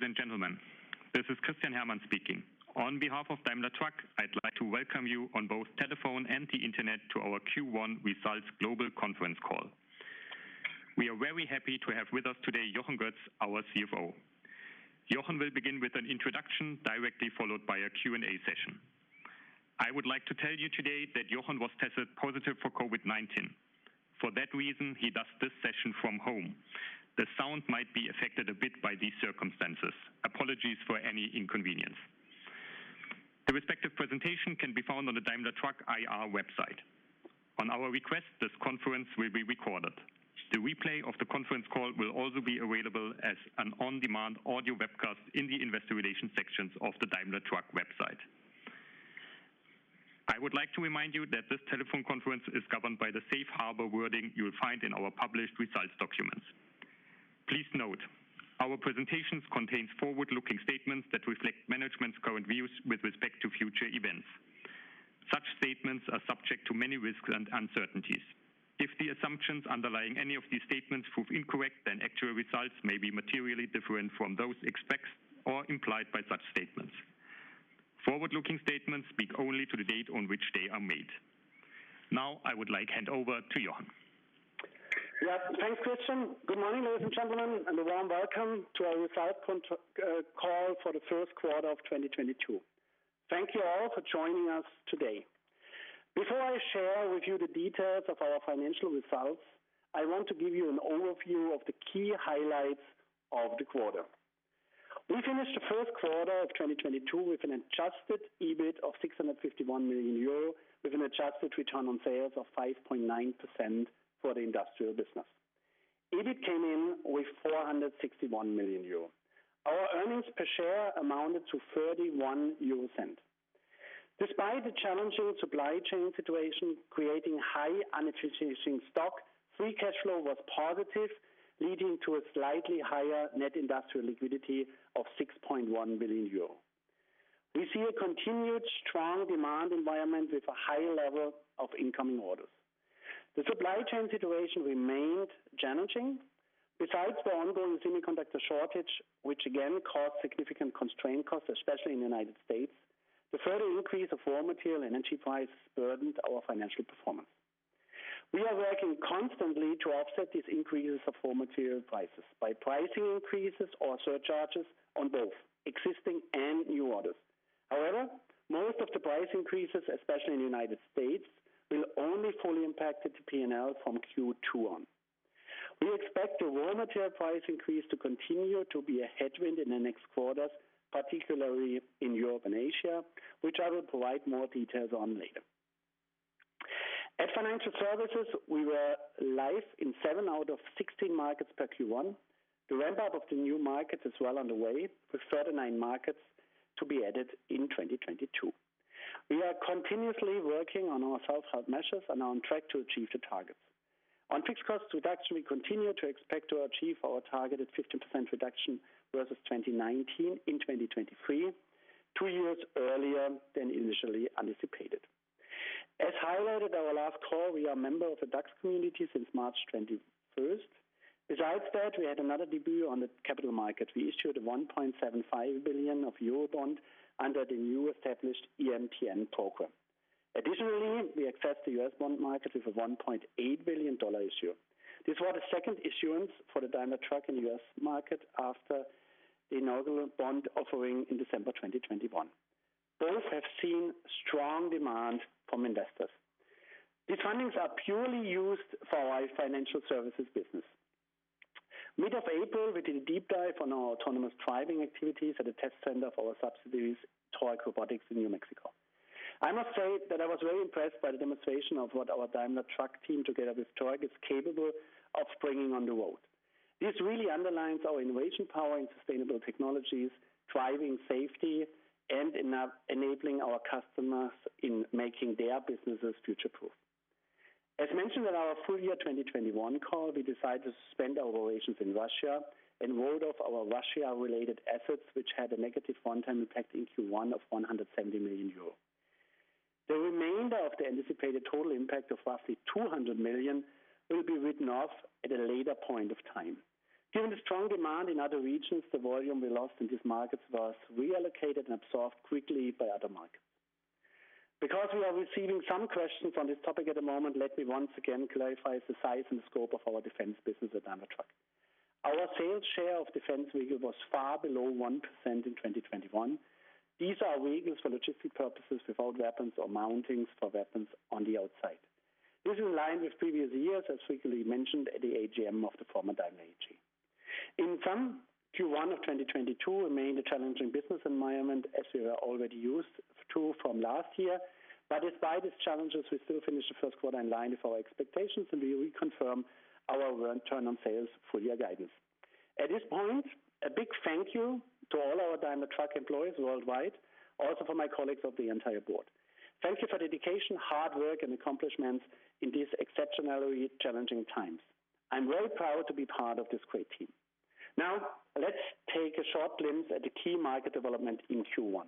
Ladies and gentlemen, this is Christian Herrmann speaking. On behalf of Daimler Truck, I'd like to welcome you on both telephone and the Internet to our Q1 results global conference call. We are very happy to have with us today Jochen Goetz, our CFO. Jochen will begin with an introduction directly followed by a Q&A session. I would like to tell you today that Jochen was tested positive for COVID-19. For that reason, he does this session from home. The sound might be affected a bit by these circumstances. Apologies for any inconvenience. The respective presentation can be found on the Daimler Truck IR website. On our request, this conference will be recorded. The replay of the conference call will also be available as an on-demand audio webcast in the investor relations sections of the Daimler Truck website. I would like to remind you that this telephone conference is governed by the Safe Harbor wording you will find in our published results documents. Please note, our presentations contains forward-looking statements that reflect management's current views with respect to future events. Such statements are subject to many risks and uncertainties. If the assumptions underlying any of these statements prove incorrect, then actual results may be materially different from those expressed or implied by such statements. Forward-looking statements speak only to the date on which they are made. Now, I would like to hand over to Jochen. Thanks, Christian. Good morning, ladies and gentlemen, and a warm welcome to our results call for the first quarter of 2022. Thank you all for joining us today. Before I share with you the details of our financial results, I want to give you an overview of the key highlights of the quarter. We finished the first quarter of 2022 with an adjusted EBIT of 651 million euro, with an adjusted return on sales of 5.9% for the industrial business. EBIT came in with 461 million euro. Our earnings per share amounted to 0.31 EUR. Despite the challenging supply chain situation creating high unanticipated stock, free cash flow was positive, leading to a slightly higher net industrial liquidity of 6.1 billion euro. We see a continued strong demand environment with a high level of incoming orders. The supply chain situation remained challenging. Besides the ongoing semiconductor shortage, which again caused significant constraint costs, especially in the United States, the further increase of raw material energy prices burdened our financial performance. We are working constantly to offset these increases of raw material prices by pricing increases or surcharges on both existing and new orders. However, most of the price increases, especially in the United States, will only fully impact the P&L from Q2 on. We expect the raw material price increase to continue to be a headwind in the next quarters, particularly in Europe and Asia, which I will provide more details on later. At Financial Services, we were live in seven out of 16 markets per Q1. The ramp-up of the new markets is well underway, with further nine markets to be added in 2022. We are continuously working on our self-help measures and are on track to achieve the targets. On fixed cost reduction, we continue to expect to achieve our targeted 15% reduction versus 2019 in 2023, two years earlier than initially anticipated. As highlighted at our last call, we are a member of the DAX community since March 21. Besides that, we had another debut on the capital market. We issued 1.75 billion of euro bond under the newly established EMTN program. Additionally, we accessed the U.S. bond market with a $1.8 billion issue. This was the second issuance for Daimler Truck in U.S. market after the inaugural bond offering in December 2021. Both have seen strong demand from investors. These fundings are purely used for our financial services business. Mid of April, we did a deep dive on our autonomous driving activities at a test center for our subsidiaries, Torc Robotics in New Mexico. I must say that I was very impressed by the demonstration of what our Daimler Truck team together with Torc is capable of bringing on the road. This really underlines our innovation power in sustainable technologies, driving safety, and enabling our customers in making their businesses future-proof. As mentioned in our full year 2021 call, we decided to suspend our operations in Russia and wrote off our Russia-related assets, which had a negative one-time impact in Q1 of 170 million euro. The remainder of the anticipated total impact of roughly 200 million will be written off at a later point of time. Given the strong demand in other regions, the volume we lost in these markets was reallocated and absorbed quickly by other markets. Because we are receiving some questions on this topic at the moment, let me once again clarify the size and scope of our defense business at Daimler Truck. Our sales share of defense vehicle was far below 1% in 2021. These are vehicles for logistic purposes without weapons or mountings for weapons on the outside. This is in line with previous years, as frequently mentioned at the AGM of the former Daimler AG. In sum, Q1 of 2022 remained a challenging business environment as we were already used to from last year. Despite these challenges, we still finished the first quarter in line with our expectations, and we reconfirm our return on sales full year guidance. At this point, a big thank you to all our Daimler Truck employees worldwide, also for my colleagues of the entire board. Thank you for dedication, hard work, and accomplishments in these exceptionally challenging times. I'm very proud to be part of this great team. Now, let's take a short glimpse at the key market development in Q1.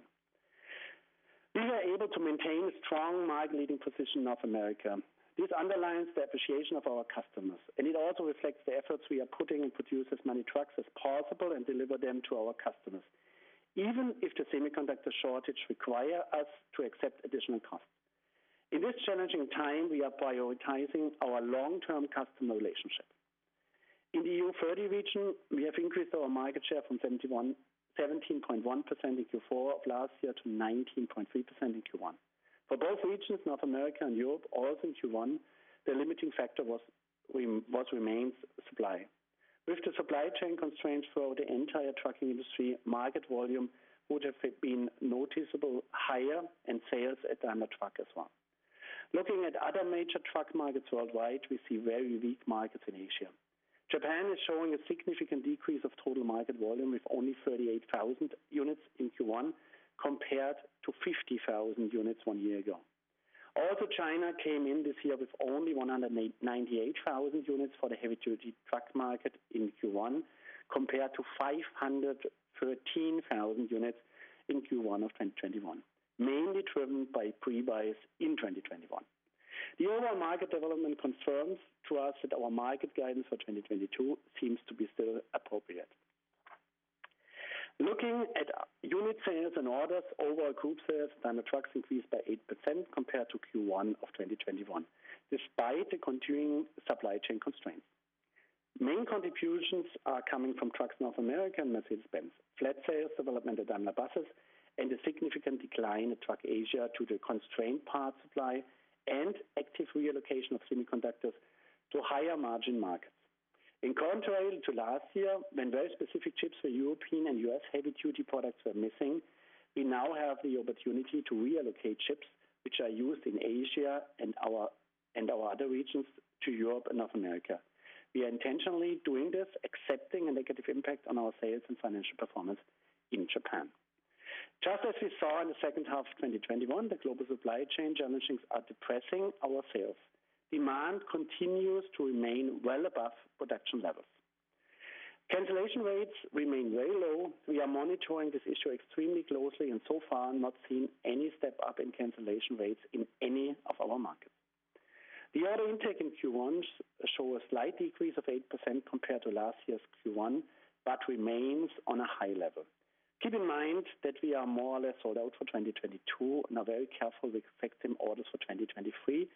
We are able to maintain a strong market-leading position in North America. This underlines the appreciation of our customers, and it also reflects the efforts we are putting in produce as many trucks as possible and deliver them to our customers, even if the semiconductor shortage require us to accept additional costs. In this challenging time, we are prioritizing our long-term customer relationships. In the EU30 region, we have increased our market share from 17.1% in Q4 of last year to 19.3% in Q1. For both regions, North America and Europe, all since Q1, the limiting factor remains supply. With the supply chain constraints for the entire trucking industry, market volume would have been noticeably higher and sales at Daimler Truck as well. Looking at other major truck markets worldwide, we see very weak markets in Asia. Japan is showing a significant decrease of total market volume with only 38,000 units in Q1 compared to 50,000 units one year ago. Also, China came in this year with only 98,000 units for the heavy-duty truck market in Q1, compared to 513,000 units in Q1 of 2021, mainly driven by pre-buys in 2021. The overall market development confirms to us that our market guidance for 2022 seems to be still appropriate. Looking at unit sales and orders, overall group sales at Daimler Truck increased by 8% compared to Q1 of 2021, despite the continuing supply chain constraints. Main contributions are coming from Daimler Truck North America and Mercedes-Benz. Flat sales development at Daimler Buses and a significant decline at Trucks Asia due to constrained parts supply and active reallocation of semiconductors to higher margin markets. Contrary to last year, when very specific chips for European and U.S. heavy-duty products were missing, we now have the opportunity to reallocate chips which are used in Asia and our other regions to Europe and North America. We are intentionally doing this, accepting a negative impact on our sales and financial performance in Japan. Just as we saw in the second half of 2021, the global supply chain challenges are depressing our sales. Demand continues to remain well above production levels. Cancellation rates remain very low. We are monitoring this issue extremely closely and so far not seen any step up in cancellation rates in any of our markets. The order intake in Q1 shows a slight decrease of 8% compared to last year's Q1, but remains on a high level. Keep in mind that we are more or less sold out for 2022 and are very careful with accepting orders for 2023,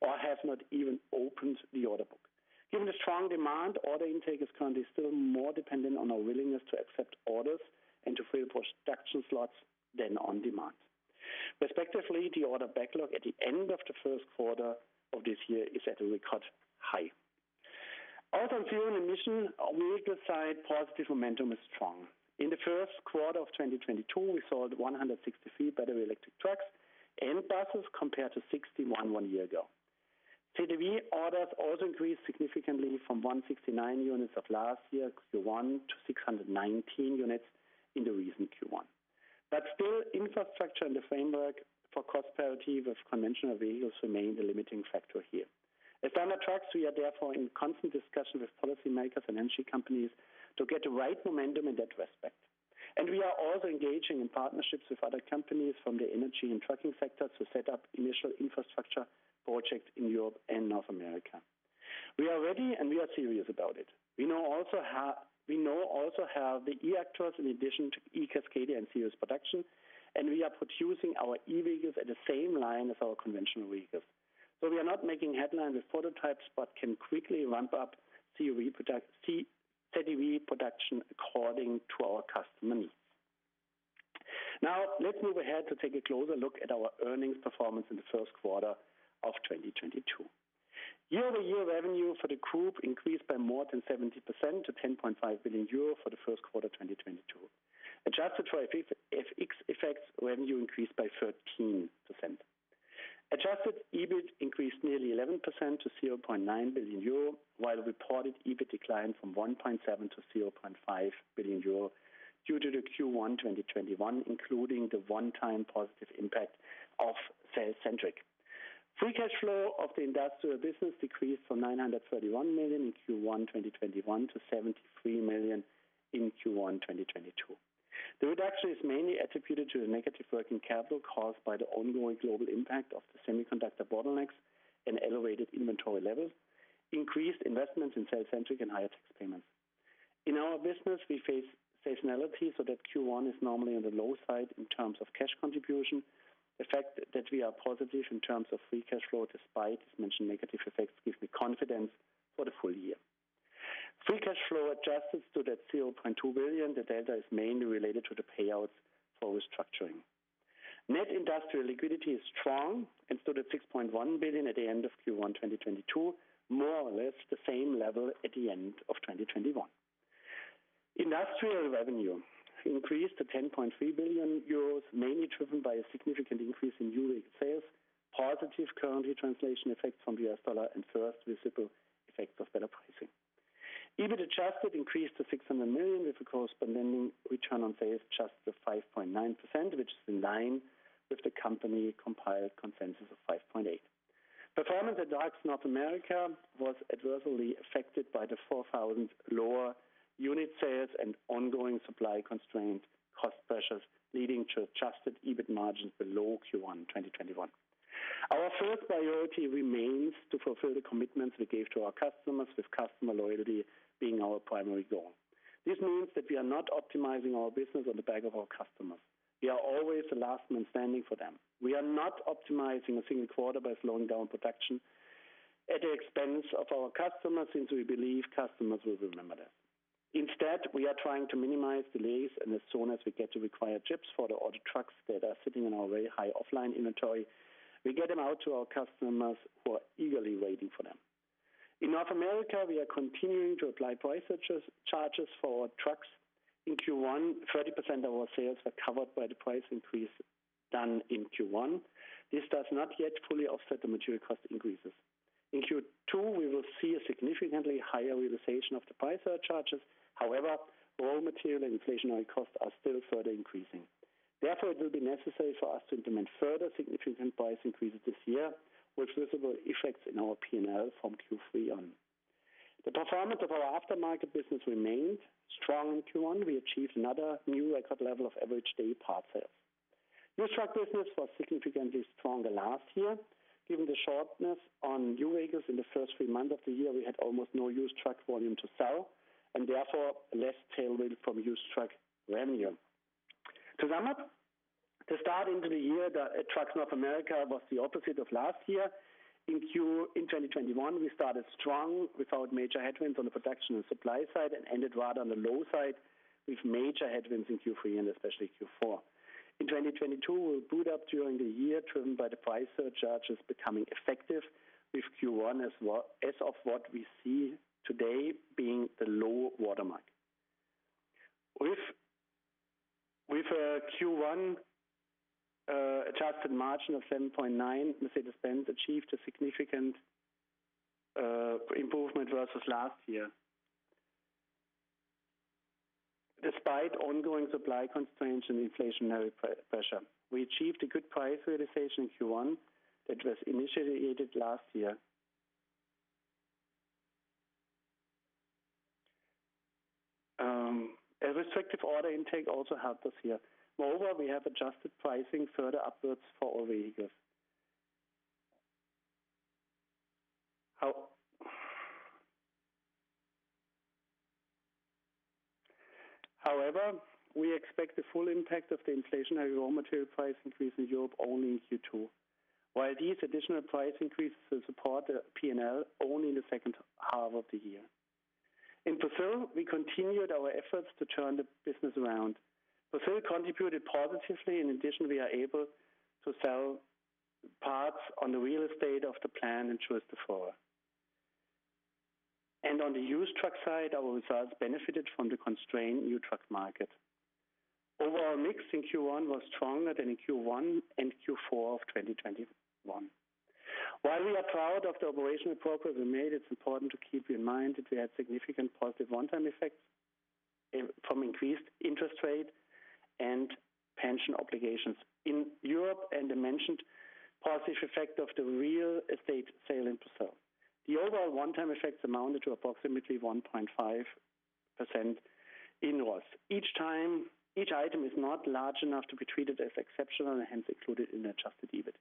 or have not even opened the order book. Given the strong demand, order intake is currently still more dependent on our willingness to accept orders and to free up production slots than on demand. Respectively, the order backlog at the end of the first quarter of this year is at a record high. Also, on fuel emission vehicle side positive momentum is strong. In the first quarter of 2022, we sold 163 battery electric trucks and buses compared to 61 one year ago. CDV orders also increased significantly from 169 units of last year Q1 to 619 units in the recent Q1. Still, infrastructure and the framework for cost parity with conventional vehicles remain the limiting factor here. At Daimler Truck, we are therefore in constant discussion with policymakers and energy companies to get the right momentum in that respect. We are also engaging in partnerships with other companies from the energy and trucking sectors to set up initial infrastructure projects in Europe and North America. We are ready and we are serious about it. We now also have the eActros in addition to eCascadia in serious production, and we are producing our E-vehicles at the same line as our conventional vehicles. We are not making headlines with prototypes, but can quickly ramp up CDV production according to our customer needs. Now, let's move ahead to take a closer look at our earnings performance in the first quarter of 2022. Year-over-year revenue for the group increased by more than 70% to 10.5 billion euro for the first quarter of 2022. Adjusted for FX effects, revenue increased by 13%. Adjusted EBIT increased nearly 11% to 0.9 billion euro, while reported EBIT declined from 1.7 to 0.5 billion euro due to the Q1 2021, including the one-time positive impact of cellcentric. Free cash flow of the industrial business decreased from 931 million in Q1 2021 to 73 million in Q1 2022. The reduction is mainly attributed to the negative working capital caused by the ongoing global impact of the semiconductor bottlenecks and elevated inventory levels, increased investments in cellcentric, and higher tax payments. In our business, we face seasonality so that Q1 is normally on the low side in terms of cash contribution. The fact that we are positive in terms of free cash flow, despite its mentioned negative effects, gives me confidence for the full year. Free cash flow adjusted stood at 0.2 billion. The delta is mainly related to the payouts for restructuring. Net industrial liquidity is strong and stood at 6.1 billion at the end of Q1 2022, more or less the same level at the end of 2021. Industrial revenue increased to 10.3 billion euros, mainly driven by a significant increase in Europe sales, positive currency translation effects from U.S. dollar, and first visible effects of better pricing. EBIT adjusted increased to 600 million with a corresponding return on sales of just 5.9%, which is in line with the company-compiled consensus of 5.8%. Performance at Trucks North America was adversely affected by the 4,000 lower unit sales and ongoing supply constraints, cost pressures, leading to adjusted EBIT margins below Q1 2021. Our first priority remains to fulfill the commitments we gave to our customers, with customer loyalty being our primary goal. This means that we are not optimizing our business on the back of our customers. We are always the last man standing for them. We are not optimizing a single quarter by slowing down production at the expense of our customers, since we believe customers will remember that. Instead, we are trying to minimize delays, and as soon as we get the required chips for the ordered trucks that are sitting in our very high offline inventory, we get them out to our customers who are eagerly waiting for them. In North America, we are continuing to apply price surcharges for our trucks. In Q1, 30% of our sales were covered by the price increase done in Q1. This does not yet fully offset the material cost increases. In Q2, we will see a significantly higher realization of the price surcharges. However, raw material and inflationary costs are still further increasing. Therefore, it will be necessary for us to implement further significant price increases this year, with visible effects in our P&L from Q3 on. The performance of our aftermarket business remained strong in Q1. We achieved another new record level of average daily parts sales. Used truck business was significantly stronger last year. Given the shortage of new vehicles in the first three months of the year, we had almost no used truck volume to sell, and therefore less tailwind from used truck revenue. To sum up, the start into the year at Trucks North America was the opposite of last year. In 2021, we started strong without major headwinds on the production and supply side, and ended rather on the low side with major headwinds in Q3 and especially Q4. In 2022, we'll bottom up during the year, driven by the price surcharges becoming effective with Q1 as of what we see today being the low water mark. With Q1 adjusted margin of 7.9%, Mercedes-Benz achieved a significant improvement versus last year. Despite ongoing supply constraints and inflationary pressure. We achieved a good price realization in Q1 that was initiated last year. A restrictive order intake also helped us here. Moreover, we have adjusted pricing further upwards for all vehicles. However, we expect the full impact of the inflationary raw material price increase in Europe only in Q2, while these additional price increases will support the P&L only in the second half of the year. In Brazil, we continued our efforts to turn the business around. Brazil contributed positively, and in addition, we are able to sell part of the real estate of the plant in Três de Maio. On the used truck side, our results benefited from the constrained new truck market. Overall mix in Q1 was stronger than in Q1 and Q4 of 2021. While we are proud of the operational progress we made, it's important to keep in mind that we had significant positive one-time effects from increased interest rates and pension obligations in Europe, and the mentioned positive effect of the real estate sale in Brazil. The overall one-time effects amounted to approximately 1.5% in RoS. Each item is not large enough to be treated as exceptional and hence included in the adjusted EBIT.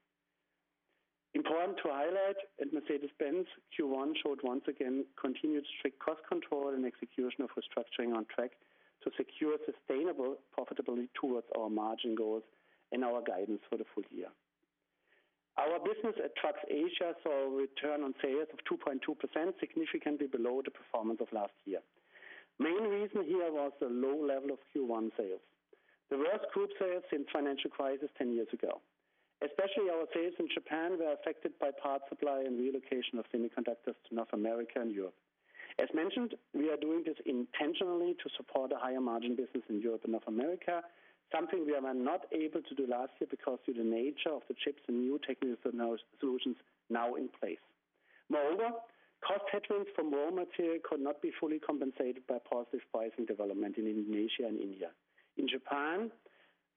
Important to highlight, at Mercedes-Benz, Q1 showed once again continued strict cost control and execution of restructuring on track to secure sustainable profitability towards our margin goals and our guidance for the full year. Our business at Trucks Asia saw a return on sales of 2.2%, significantly below the performance of last year. Main reason here was the low level of Q1 sales. The worst group sales since financial crisis 10 years ago. Especially our sales in Japan were affected by parts supply and relocation of semiconductors to North America and Europe. As mentioned, we are doing this intentionally to support a higher margin business in Europe and North America, something we were not able to do last year because of the nature of the chips and new technical solutions now in place. Moreover, cost headwinds from raw material could not be fully compensated by positive pricing development in Indonesia and India. In Japan,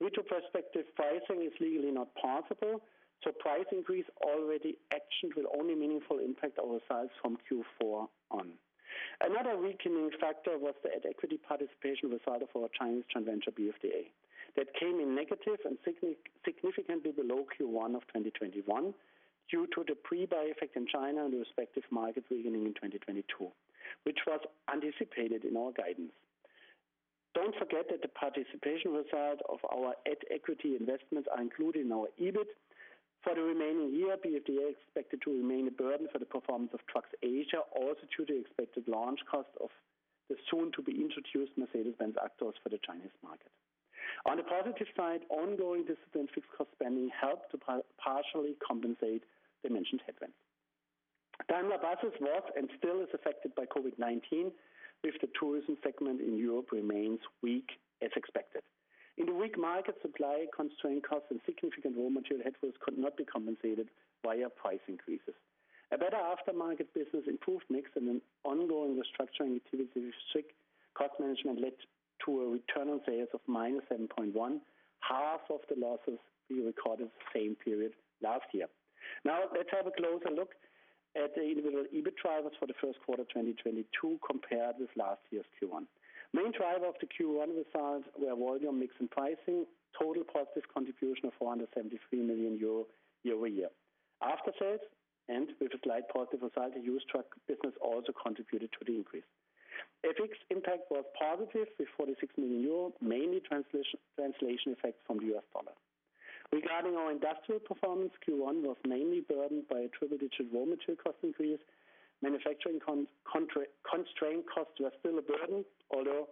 retrospective pricing is legally not possible, so price increase already actioned will only meaningfully impact our sales from Q4 on. Another weakening factor was the at-equity participation result of our Chinese joint venture, BFDA. That came in negative and significantly below Q1 of 2021 due to the pre-buy effect in China and the respective market weakening in 2022, which was anticipated in our guidance. Don't forget that the participation result of our at-equity investments are included in our EBIT. For the remaining year, BFDA is expected to remain a burden for the performance of Trucks Asia, also due to the expected launch cost of the soon-to-be-introduced Mercedes-Benz Actros for the Chinese market. On the positive side, ongoing disciplined fixed cost spending helped to partially compensate the mentioned headwinds. Daimler Buses was and still is affected by COVID-19, with the tourism segment in Europe remains weak as expected. In the weak market, supply constraint costs and significant raw material headwinds could not be compensated via price increases. A better aftermarket business, improved mix, and an ongoing restructuring activity, cost management led to a return on sales of -7.1%, half of the losses we recorded the same period last year. Now let's have a closer look at the individual EBIT drivers for the first quarter of 2022 compared with last year's Q1. Main driver of the Q1 results were volume mix and pricing. Total positive contribution of 473 million euro year-over-year. After-sales and with a slight positive result, the used truck business also contributed to the increase. FX impact was positive with 46 million euro, mainly translation effects from the U.S. dollar. Regarding our industrial performance, Q1 was mainly burdened by, attributed to raw material cost increase. Manufacturing constrained costs were still a burden, although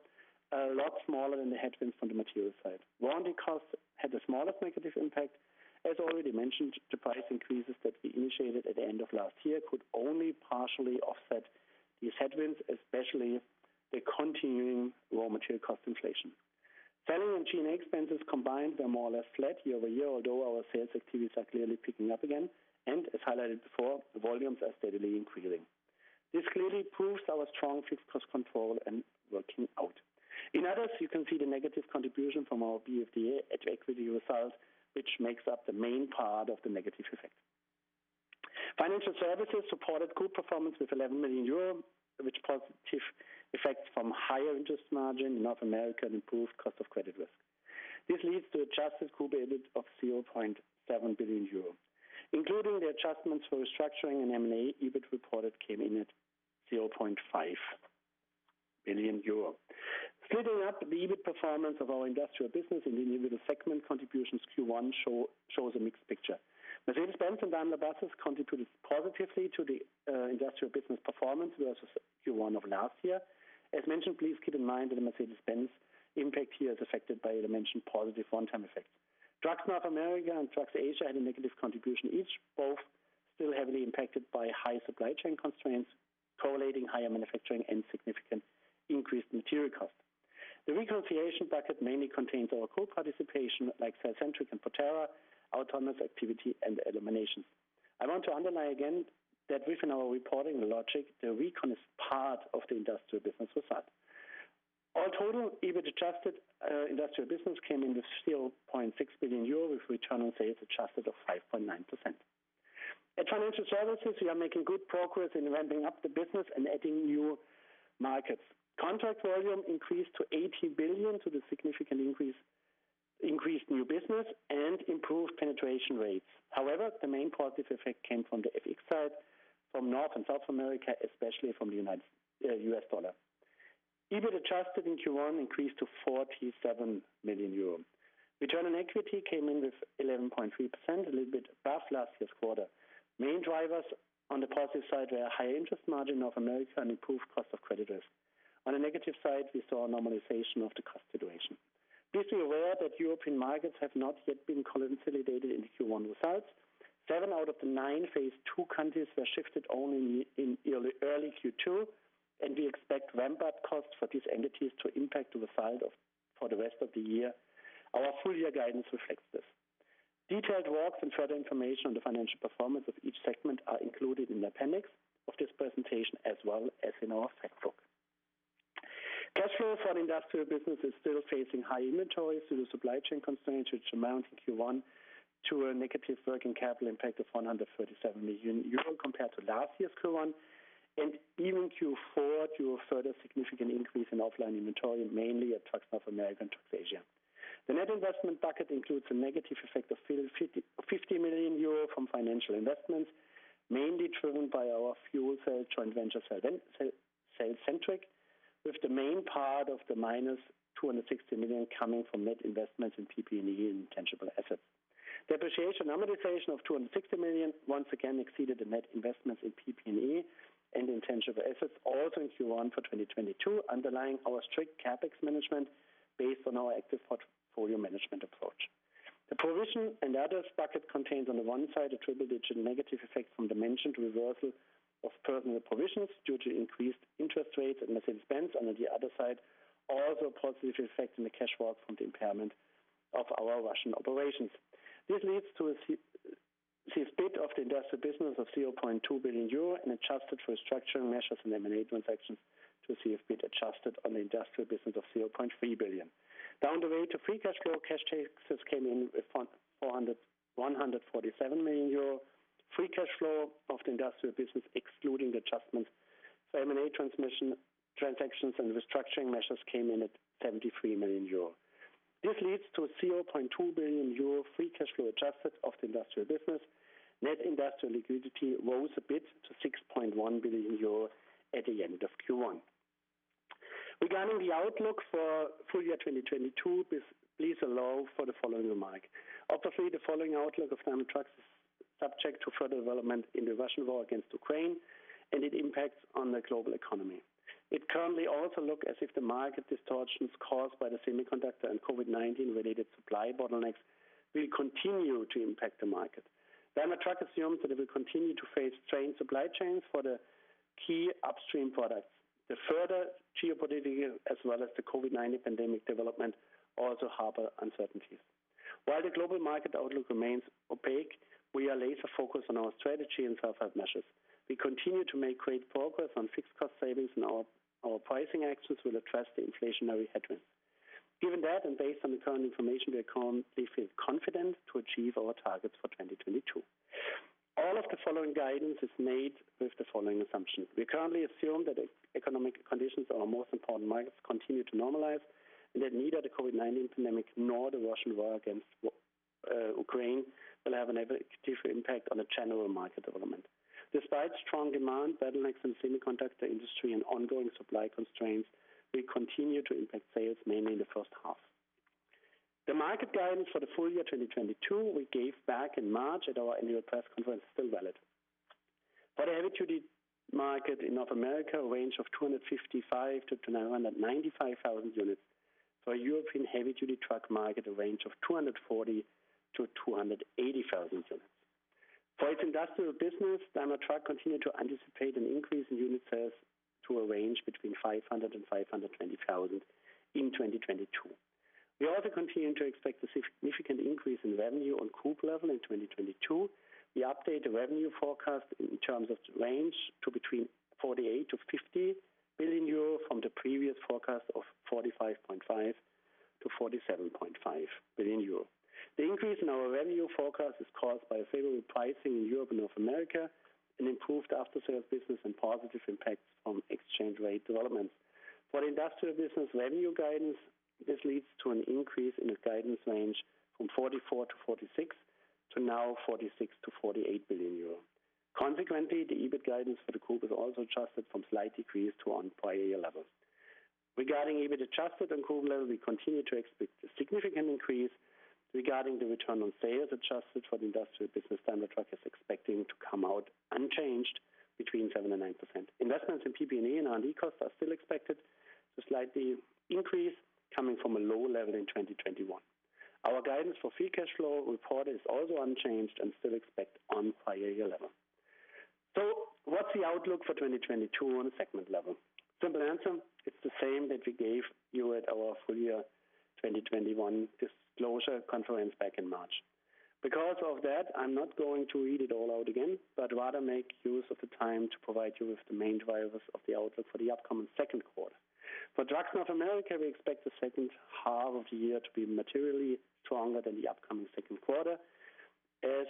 a lot smaller than the headwinds from the material side. Warranty costs had the smallest negative impact. As already mentioned, the price increases that we initiated at the end of last year could only partially offset these headwinds, especially the continuing raw material cost inflation. Selling and G&A expenses combined were more or less flat year-over-year, although our sales activities are clearly picking up again, and as highlighted before, the volumes are steadily increasing. This clearly proves our strong fixed cost control and working out. In others, you can see the negative contribution from our BFDA at the equity results, which makes up the main part of the negative effect. Financial services supported group performance with 11 million euro, with positive effects from higher interest margin in North America and improved cost of credit risk. This leads to adjusted group EBIT of 0.7 billion euro. Including the adjustments for restructuring and M&A, EBIT reported came in at 0.5 billion euro. Filling up the EBIT performance of our industrial business in the individual segment contributions, Q1 shows a mixed picture. Mercedes-Benz and Daimler Buses contributed positively to the industrial business performance versus Q1 of last year. As mentioned, please keep in mind that the Mercedes-Benz impact here is affected by the mentioned positive one-time effects. Trucks North America and Trucks Asia had a negative contribution each, both still heavily impacted by high supply chain constraints, including higher manufacturing and significantly increased material costs. The reconciliation packet mainly contains our co-participation like cellcentric and Proterra, autonomous activity and elimination. I want to underline again that within our reporting logic, the recon is part of the industrial business result. In total, EBIT-adjusted industrial business came in with 0.6 billion euro, with return on sales adjusted of 5.9%. At financial services, we are making good progress in ramping up the business and adding new markets. Contract volume increased to 80 billion due to significantly increased new business and improved penetration rates. However, the main positive effect came from the FX side from North and South America, especially from the U.S dollar. EBIT adjusted in Q1 increased to 47 million euro. Return on equity came in with 11.3%, a little bit above last year's quarter. Main drivers on the positive side were high interest margin North America and improved cost of credit risk. On a negative side, we saw a normalization of the cost situation. Please be aware that European markets have not yet been consolidated in Q1 results. Seven out of the nine phase two countries were shifted only in early Q2, and we expect ramp-up costs for these entities to impact to the downside for the rest of the year. Our full-year guidance reflects this. Detailed walks and further information on the financial performance of each segment are included in the appendix of this presentation, as well as in our fact book. Cash flow for the industrial business is still facing high inventory through the supply chain constraints, which amount in Q1 to a negative working capital impact of 137 million euro compared to last year's Q1 and even Q4 to a further significant increase in offline inventory, mainly at Trucks North America and Trucks Asia. The net investment packet includes a negative effect of 50 million euro from financial investments, mainly driven by our fuel cell joint venture cellcentric, with the main part of the minus 260 million coming from net investments in PP&E and intangible assets. Depreciation and amortization of 260 million once again exceeded the net investments in PP&E and intangible assets, all in Q1 for 2022, underlying our strict CapEx management based on our active portfolio management approach. The provision and others bucket contains, on the one side, attributed to the negative effect from the mentioned reversal of personnel provisions due to increased interest rates and Mercedes-Benz, and on the other side, also a positive effect in the cash walk from the impairment of our Russian operations. This leads to an adjusted EBIT of the industrial business of 0.2 billion euro and adjusted for restructuring measures and M&A transactions to adjusted EBIT on the industrial business of 0.3 billion. Down the way to free cash flow, cash taxes came in at negative 147 million euro. Free cash flow of the industrial business, excluding the adjustments for M&A transactions and restructuring measures, came in at 73 million euro. This leads to 0.2 billion euro free cash flow adjusted of the industrial business. Net industrial liquidity rose a bit to 6.1 billion euro at the end of Q1. Regarding the outlook for full year 2022, please allow for the following remark. Obviously, the following outlook of Daimler Truck is subject to further development in the Russian war against Ukraine and its impacts on the global economy. It currently also looks as if the market distortions caused by the semiconductor and COVID-19 related supply bottlenecks will continue to impact the market. Daimler Truck assumes that it will continue to face strained supply chains for the key upstream products. The further geopolitical as well as the COVID-19 pandemic development also harbor uncertainties. While the global market outlook remains opaque, we are laser focused on our strategy and self-help measures. We continue to make great progress on fixed cost savings, and our pricing actions will address the inflationary headwinds. Given that, and based on the current information, we currently feel confident to achieve our targets for 2022. All of the following guidance is made with the following assumptions. We currently assume that economic conditions on our most important markets continue to normalize, and that neither the COVID-19 pandemic nor the Russian war against Ukraine will have an adverse additional impact on the general market development. Despite strong demand, bottlenecks in semiconductor industry and ongoing supply constraints will continue to impact sales, mainly in the first half. The market guidance for the full year 2022 we gave back in March at our annual press conference is still valid. For the heavy-duty market in North America, a range of 255,000-995,000 units. For European heavy-duty truck market, a range of 240,000-280,000 units. For its industrial business, Daimler Truck continue to anticipate an increase in unit sales to a range between 500 and 520,000 in 2022. We are also continuing to expect a significant increase in revenue on group level in 2022. We update the revenue forecast in terms of range to between 48-50 billion euro, from the previous forecast of 45.5-47.5 billion euro. The increase in our revenue forecast is caused by favorable pricing in Europe and North America, and improved after-sales business and positive impacts from exchange rate developments. For the industrial business revenue guidance, this leads to an increase in the guidance range from 44-46 billion to now 46-48 billion euro. Consequently, the EBIT guidance for the group is also adjusted from slight decrease to on prior year levels. Regarding EBIT adjusted on group level, we continue to expect a significant increase. Regarding the return on sales adjusted for the industrial business, Daimler Truck is expecting to come out unchanged between 7% and 9%. Investments in PP&E and R&D costs are still expected to slightly increase coming from a low level in 2021. Our guidance for free cash flow reported is also unchanged and still expect on prior year level. What's the outlook for 2022 on a segment level? Simple answer, it's the same that we gave you at our full year 2021 disclosure conference back in March. Because of that, I'm not going to read it all out again, but rather make use of the time to provide you with the main drivers of the outlook for the upcoming second quarter. For Daimler Truck North America, we expect the second half of the year to be materially stronger than the upcoming second quarter. As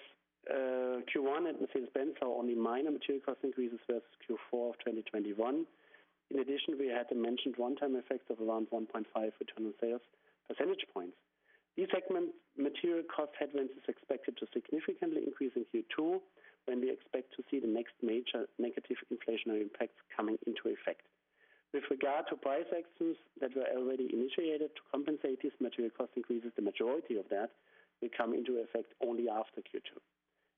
Q1 had been spent on only minor material cost increases versus Q4 of 2021. In addition, we had the mentioned one-time effect of around 1.5 return on sales percentage points. These segment material cost headwinds is expected to significantly increase in Q2, when we expect to see the next major negative inflationary impacts coming into effect. With regard to price actions that were already initiated to compensate these material cost increases, the majority of that will come into effect only after Q2.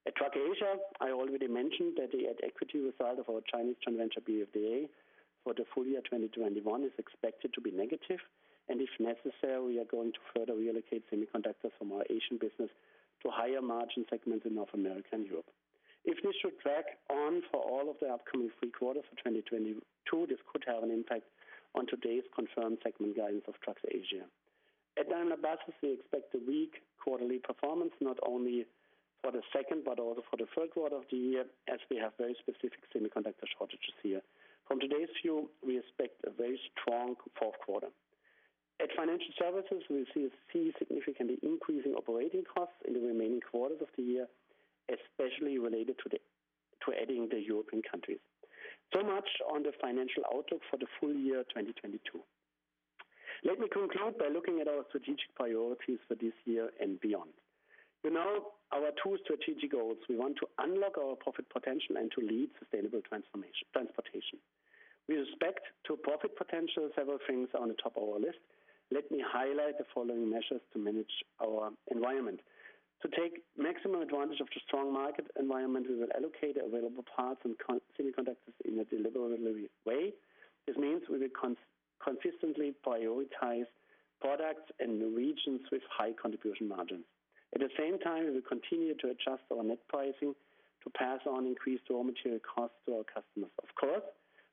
At Trucks Asia, I already mentioned that the at equity result of our Chinese joint venture, BFDA, for the full year 2021 is expected to be negative. If necessary, we are going to further reallocate semiconductors from our Asian business to higher margin segments in North America and Europe. If this should drag on for all of the upcoming three quarters for 2022, this could have an impact on today's confirmed segment guidance of Trucks Asia. At Daimler Buses, we expect a weak quarterly performance not only for the second but also for the third quarter of the year, as we have very specific semiconductor shortages here. From today's view, we expect a very strong fourth quarter. At Financial Services, we see significantly increasing operating costs in the remaining quarters of the year, especially related to adding the European countries. Much on the financial outlook for the full year 2022. Let me conclude by looking at our strategic priorities for this year and beyond. You know our two strategic goals. We want to unlock our profit potential and to lead sustainable transformational transportation. With respect to profit potential, several things are on the top of our list. Let me highlight the following measures to manage our environment. To take maximum advantage of the strong market environment, we will allocate available parts and components and semiconductors in a deliberate way. This means we will consistently prioritize products and regions with high contribution margins. At the same time, we will continue to adjust our net pricing to pass on increased raw material costs to our customers. Of course,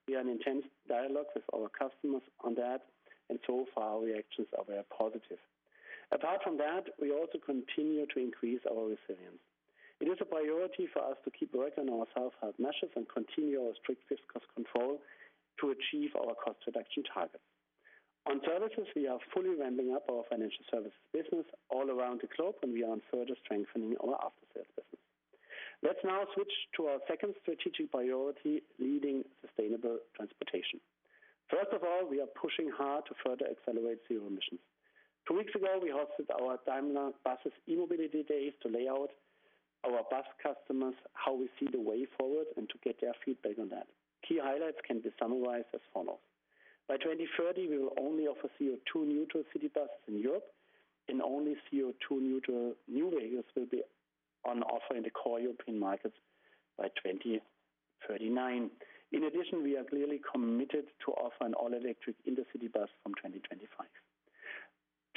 we are in intense dialogue with our customers on that, and so far, reactions are very positive. Apart from that, we also continue to increase our resilience. It is a priority for us to keep working on our self-help measures and continue our strict fixed cost control to achieve our cost reduction targets. On services, we are fully ramping up our financial services business all around the globe, and we are further strengthening our after-sales business. Let's now switch to our second strategic priority, leading sustainable transportation. First of all, we are pushing hard to further accelerate zero emissions. Two weeks ago, we hosted our Daimler Buses E-Mobility Days to lay out to our bus customers how we see the way forward and to get their feedback on that. Key highlights can be summarized as follows. By 2030, we will only offer CO2 neutral city buses in Europe, and only CO2 neutral new vehicles will be on offer in the core European markets by 2039. In addition, we are clearly committed to offer an all-electric intercity bus from 2025.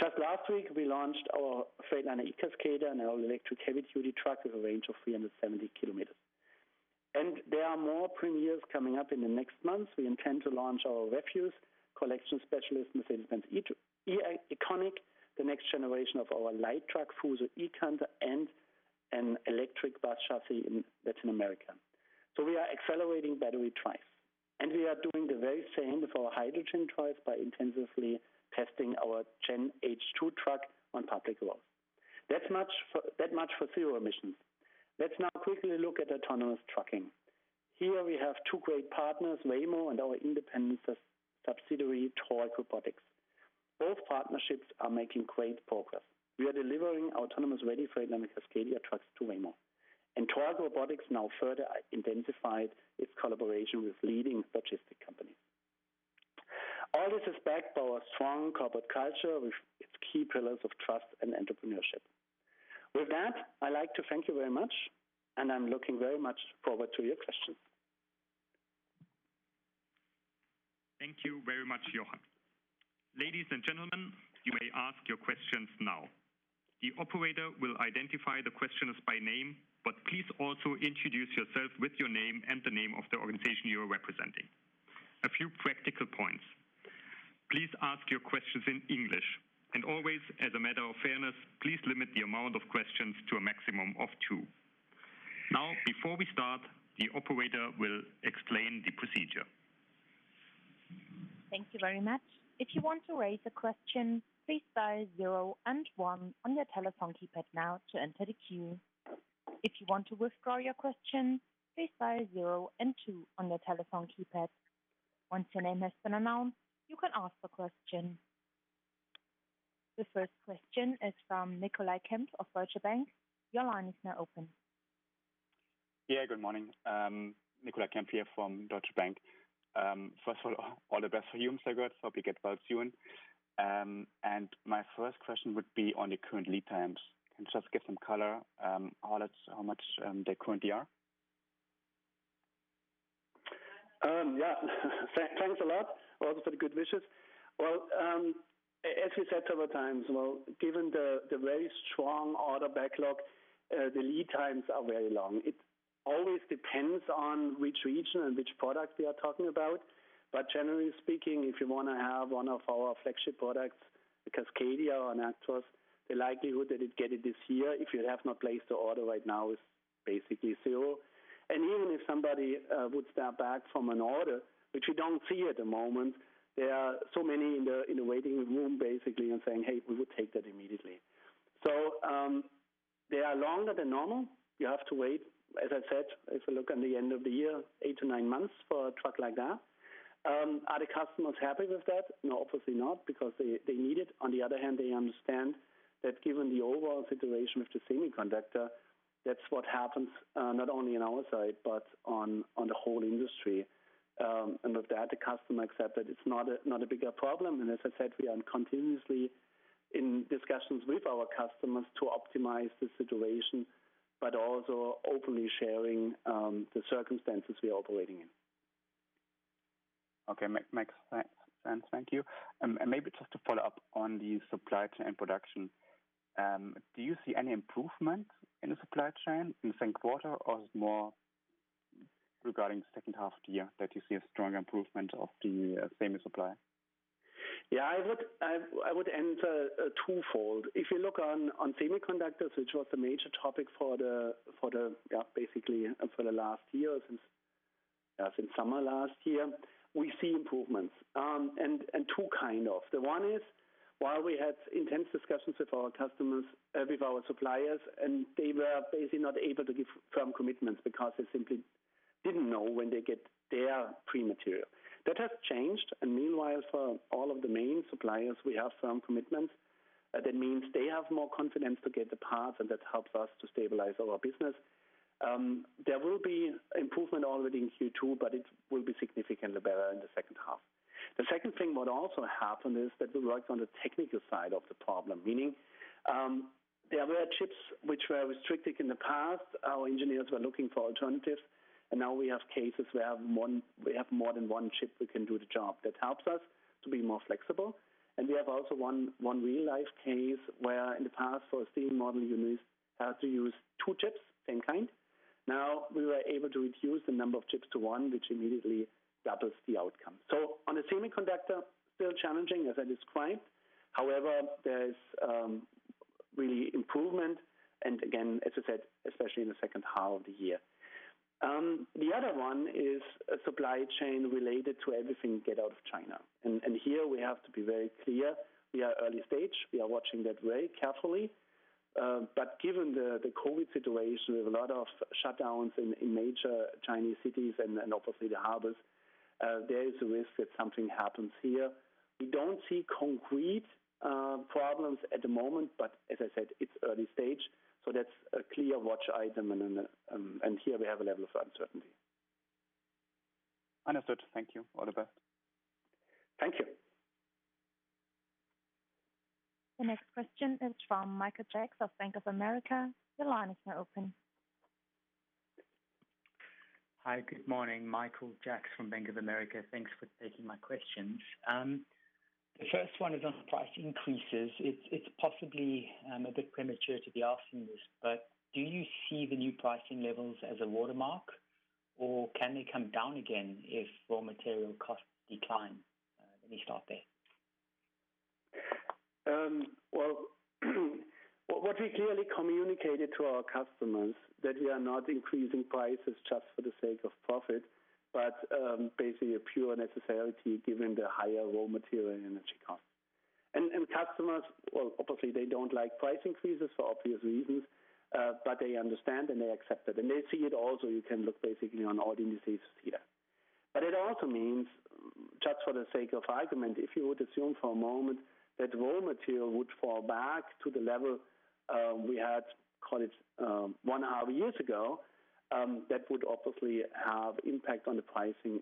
Just last week, we launched our Freightliner eCascadia, an all-electric heavy-duty truck with a range of 370 km. There are more premieres coming up in the next months. We intend to launch our refuse collection specialist in the Philippines. Econic, the next generation of our light truck, FUSO eCanter, and an electric bus chassis in Latin America. We are accelerating battery trials, and we are doing the very same for our hydrogen trials by intensively testing our GenH2 truck on public roads. That much for zero emissions. Let's now quickly look at autonomous trucking. Here we have two great partners, Waymo and our independent subsidiary, Torc Robotics. Both partnerships are making great progress. We are delivering autonomous-ready Freightliner Cascadia trucks to Waymo. Torc Robotics now further intensifies its collaboration with leading logistics companies. All this is backed by our strong corporate culture with its key pillars of trust and entrepreneurship. With that, I'd like to thank you very much, and I'm looking very much forward to your questions. Thank you very much, Jochen. Ladies and gentlemen, you may ask your questions now. The operator will identify the questioners by name, but please also introduce yourself with your name and the name of the organization you are representing. A few practical points. Please ask your questions in English, and always, as a matter of fairness, please limit the amount of questions to a maximum of two. Now, before we start, the operator will explain the procedure. Thank you very much. If you want to raise a question, please dial zero and one on your telephone keypad now to enter the queue. If you want to withdraw your question, please dial zero and two on your telephone keypad. Once your name has been announced, you can ask the question. The first question is from Nicolai Kempf of Deutsche Bank. Your line is now open. Yeah, good morning. Nicolai Kempf here from Deutsche Bank. First of all the best for you, Manfred. Hope you get well soon. My first question would be on your current lead times. Can you just give some color on it, how much they currently are? Yeah. Thanks a lot. Also for the good wishes. As we said several times, given the very strong order backlog, the lead times are very long. It always depends on which region and which product we are talking about. Generally speaking, if you want to have one of our flagship products, the Cascadia or an Actros, the likelihood that you'd get it this year, if you have not placed the order right now, is basically zero. Even if somebody would step back from an order, which we don't see at the moment, there are so many in the waiting room basically and saying, "Hey, we would take that immediately." They are longer than normal. You have to wait, as I said, if you look at the end of the year, eight to nine months for a truck like that. Are the customers happy with that? No, obviously not, because they need it. On the other hand, they understand that given the overall situation with the semiconductor, that's what happens, not only on our side, but on the whole industry. With that, the customer accept that it's not a bigger problem. As I said, we are continuously in discussions with our customers to optimize the situation, but also openly sharing the circumstances we are operating in. Okay. Makes sense. Thank you. Maybe just to follow up on the supply chain production. Do you see any improvement in the supply chain in the same quarter or more regarding the second half of the year that you see a strong improvement of the same supply? I would answer twofold. If you look on semiconductors, which was the major topic basically for the last year since summer last year, we see improvements. Two kind of. The one is, while we had intense discussions with our customers, with our suppliers, and they were basically not able to give firm commitments because they simply didn't know when they get their pre-material. That has changed, and meanwhile, for all of the main suppliers, we have firm commitments. That means they have more confidence to get the parts, and that helps us to stabilize our business. There will be improvement already in Q2, but it will be significantly better in the second half. The second thing what also happened is that we worked on the technical side of the problem, meaning, there were chips which were restricted in the past. Our engineers were looking for alternatives, and now we have cases where we have more than one chip we can do the job. That helps us to be more flexible. We have also one real-life case where in the past for the same model, had to use two chips, same kind. Now, we were able to reduce the number of chips to one, which immediately doubles the outcome. On the semiconductor, still challenging as I described. However, there's really improvement and again, as I said, especially in the second half of the year. The other one is supply chain related to everything getting out of China. Here we have to be very clear. We are early stage. We are watching that very carefully. But given the COVID situation, with a lot of shutdowns in major Chinese cities and then obviously the harbors, there is a risk that something happens here. We don't see concrete problems at the moment, but as I said, it's early stage, so that's a clear watch item. Here we have a level of uncertainty. Understood. Thank you. All the best. Thank you. The next question is from Michael Jacks of Bank of America. Your line is now open. Hi. Good morning. Michael Jacks from Bank of America. Thanks for taking my questions. The first one is on price increases. It's possibly a bit premature to be asking this, but do you see the new pricing levels as a watermark, or can they come down again if raw material costs decline? Let me start there. Well, what we clearly communicated to our customers that we are not increasing prices just for the sake of profit, but basically a pure necessity given the higher raw material and energy costs. Customers, well, obviously, they don't like price increases for obvious reasons, but they understand, and they accept it. They see it also. You can look basically on all indices here. It also means, just for the sake of argument, if you would assume for a moment that raw material would fall back to the level we had, call it, one and a half years ago, that would obviously have impact on the pricing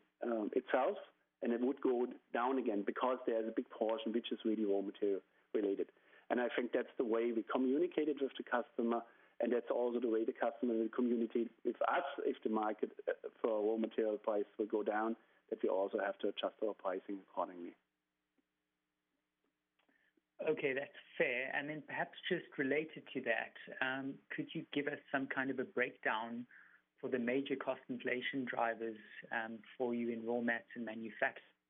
itself. It would go down again because there's a big portion which is really raw material related. I think that's the way we communicated with the customer, and that's also the way the customer will communicate with us if the market for raw material price will go down, that we also have to adjust our pricing accordingly. Okay, that's fair. Perhaps just related to that, could you give us some kind of a breakdown for the major cost inflation drivers for you in raw mats and manufacturing?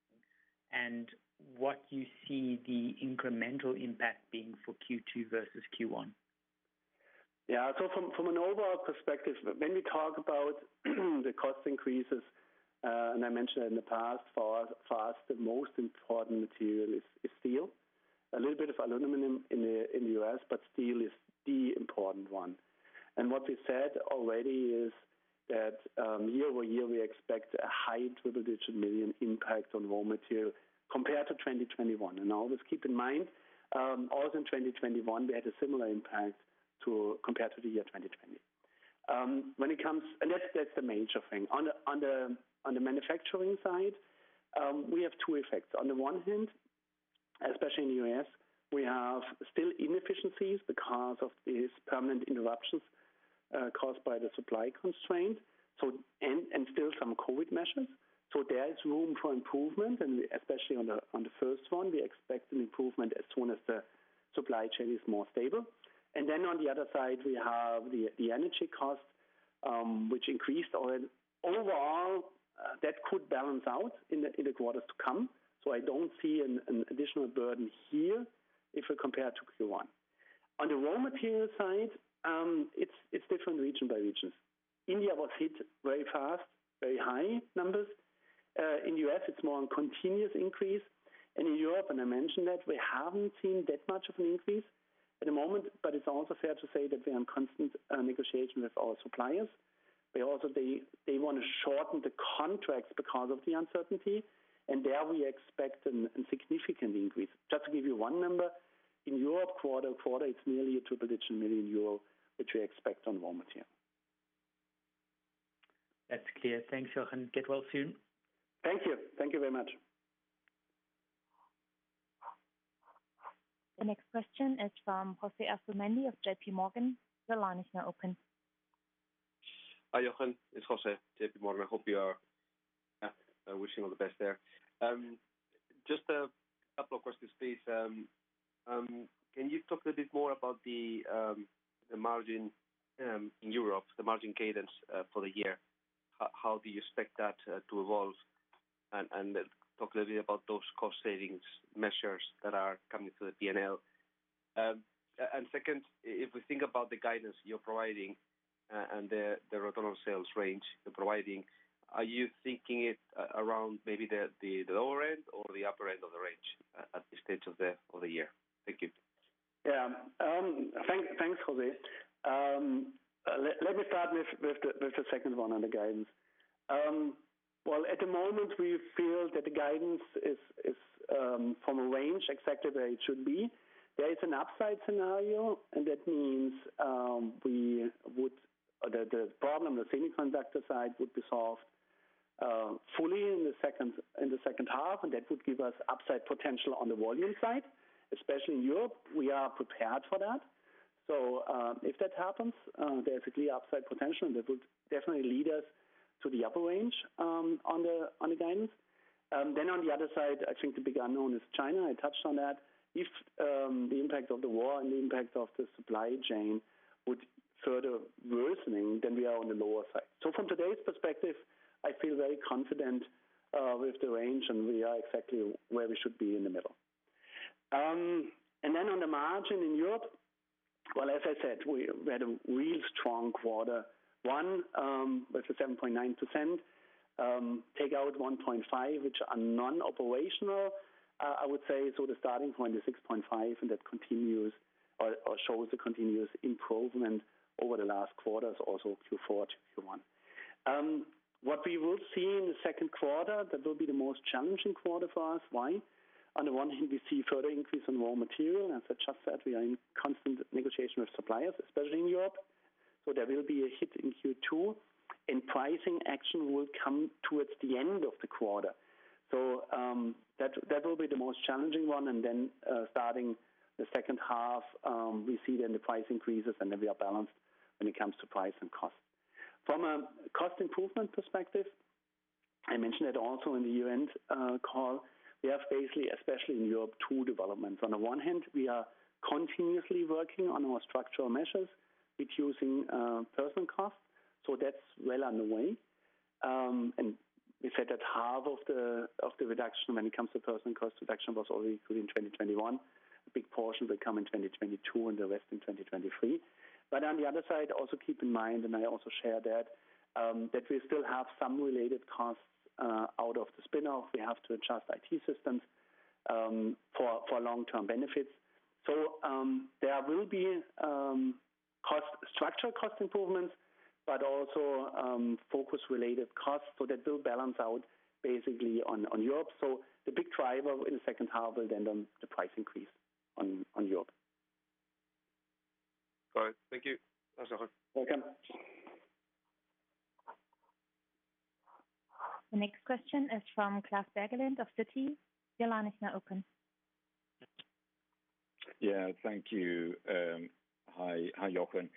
And what you see the incremental impact being for Q2 versus Q1? Yeah. From an overall perspective, when we talk about the cost increases, and I mentioned that in the past, for us, the most important material is steel. A little bit of aluminum in the US, but steel is the important one. What we said already is that, year over year, we expect a high double-digit million impact on raw material compared to 2021. Always keep in mind, also in 2021, we had a similar impact compared to the year 2020. That's the major thing. On the manufacturing side, we have two effects. On the one hand, especially in the US, we have still inefficiencies because of these permanent interruptions caused by the supply constraint, and still some COVID measures. There is room for improvement, and especially on the first one, we expect an improvement as soon as the supply chain is more stable. Then on the other side, we have the energy costs, which increased. Overall, that could balance out in the quarters to come, so I don't see an additional burden here if we compare it to Q1. On the raw material side, it's different region by region. India was hit very fast, very high numbers. In U.S., it's more of a continuous increase. In Europe, and I mentioned that, we haven't seen that much of an increase at the moment, but it's also fair to say that we are in constant negotiation with our suppliers. They want to shorten the contracts because of the uncertainty, and there we expect a significant increase. Just to give you one number, in Europe, quarter-over-quarter, it's nearly a double-digit million EUR, which we expect on raw material. That's clear. Thanks, Jochen. Get well soon. Thank you. Thank you very much. The next question is from José Azurmendi of JPMorgan. The line is now open. Hi, Jochen. It's José Azurmendi, JP Morgan. I hope you are wishing you all the best there. Just a couple of questions, please. Can you talk a bit more about the margin in Europe, the margin cadence for the year? How do you expect that to evolve? And talk a little bit about those cost savings measures that are coming to the P&L. Second, if we think about the guidance you are providing, and the return on sales range you are providing, are you thinking it around maybe the lower end or the upper end of the range at this stage of the year? Thank you. Thanks, José. Let me start with the second one on the guidance. Well, at the moment, we feel that the guidance is for a range exactly where it should be. There is an upside scenario, and that means the problem on the semiconductor side would be solved fully in the second half, and that would give us upside potential on the volume side. Especially in Europe, we are prepared for that. If that happens, there's a clear upside potential, and that would definitely lead us to the upper range on the guidance. On the other side, I think the big unknown is China. I touched on that. If the impact of the war and the impact of the supply chain would further worsening, then we are on the lower side. From today's perspective, I feel very confident with the range, and we are exactly where we should be in the middle. On the margin in Europe, well, as I said, we had a real strong quarter one with the 7.9%, take out 1.5, which are non-operational. I would say so the starting point is 6.5, and that continues or shows a continuous improvement over the last quarters, also Q4 to Q1. What we will see in the second quarter, that will be the most challenging quarter for us. Why? On the one hand, we see further increase in raw material. As I just said, we are in constant negotiation with suppliers, especially in Europe. There will be a hit in Q2, and pricing action will come towards the end of the quarter. That will be the most challenging one, and then starting the second half, we see then the price increases, and then we are balanced when it comes to price and cost. From a cost improvement perspective, I mentioned that also in the event call, we have basically, especially in Europe, two developments. On the one hand, we are continuously working on our structural measures, reducing personnel cost, so that's well on the way. We said that half of the reduction when it comes to personnel cost reduction was already included in 2021. A big portion will come in 2022 and the rest in 2023. On the other side, also keep in mind, and I also share that we still have some related costs out of the spin-off. We have to adjust IT systems for long-term benefits. There will be structural cost improvements, but also focus related costs, so that they'll balance out basically on Europe. The big driver in the second half will then be the price increase on Europe. All right. Thank you. That's all. Welcome. The next question is from Klas Bergelind of Citi. Your line is now open. Yeah. Thank you. Hi. Hi, Jochen.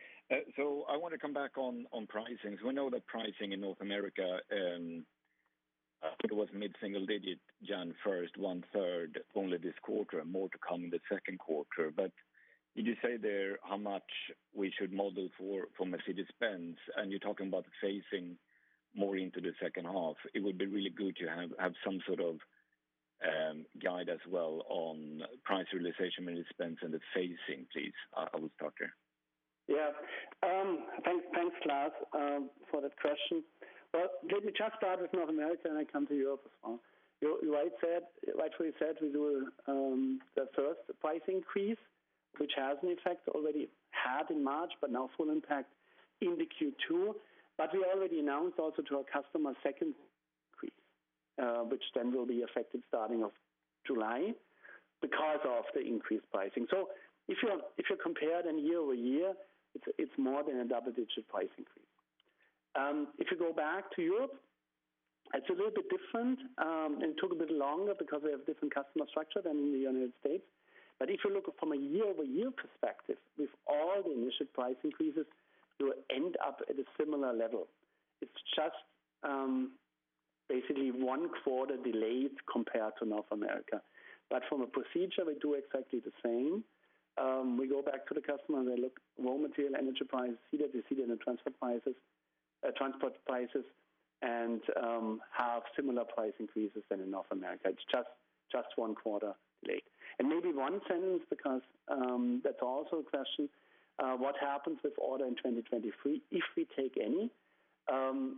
So I wanna come back on pricings. We know that pricing in North America, it was mid-single digit in first one-third only this quarter, more to come in the second quarter. Did you say there how much we should model for Mercedes-Benz? You're talking about phasing more into the second half. It would be really good to have some sort of guide as well on price realization with Benz and the phasing, please. I will start there. Yeah. Thanks, Klas, for that question. Well, let me just start with North America, and I come to Europe as well. You rightly said, we do the first price increase, which has already had an effect in March, but now full impact in Q2. We already announced also to our customer second increase, which then will be effective starting of July because of the increased pricing. If you compare it year-over-year, it's more than a double-digit price increase. If you go back to Europe, it's a little bit different, and took a bit longer because we have different customer structure than in the United States. If you look from a year-over-year perspective, with all the initial price increases, you end up at a similar level. It's just basically one quarter delayed compared to North America. From a procedure, we do exactly the same. We go back to the customer, and we look raw material, energy price, see that it's seen in the transport prices, transport prices, and have similar price increases than in North America. It's just one quarter late. Maybe one sentence because that's also a question, what happens with order in 2023, if we take any?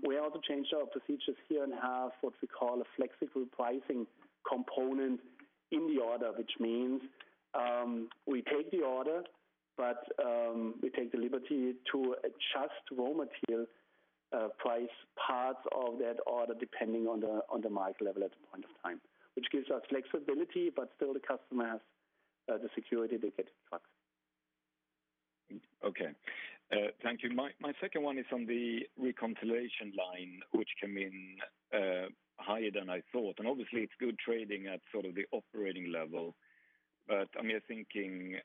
We also changed our procedures here and have what we call a flexible pricing component in the order, which means, we take the order, but we take the liberty to adjust raw material price parts of that order depending on the market level at the point of time. Which gives us flexibility, but still the customer has the security to get trucks. Okay. Thank you. My second one is on the reconciliation line, which came in higher than I thought. Obviously, it's good trading at sort of the operating level. I'm just thinking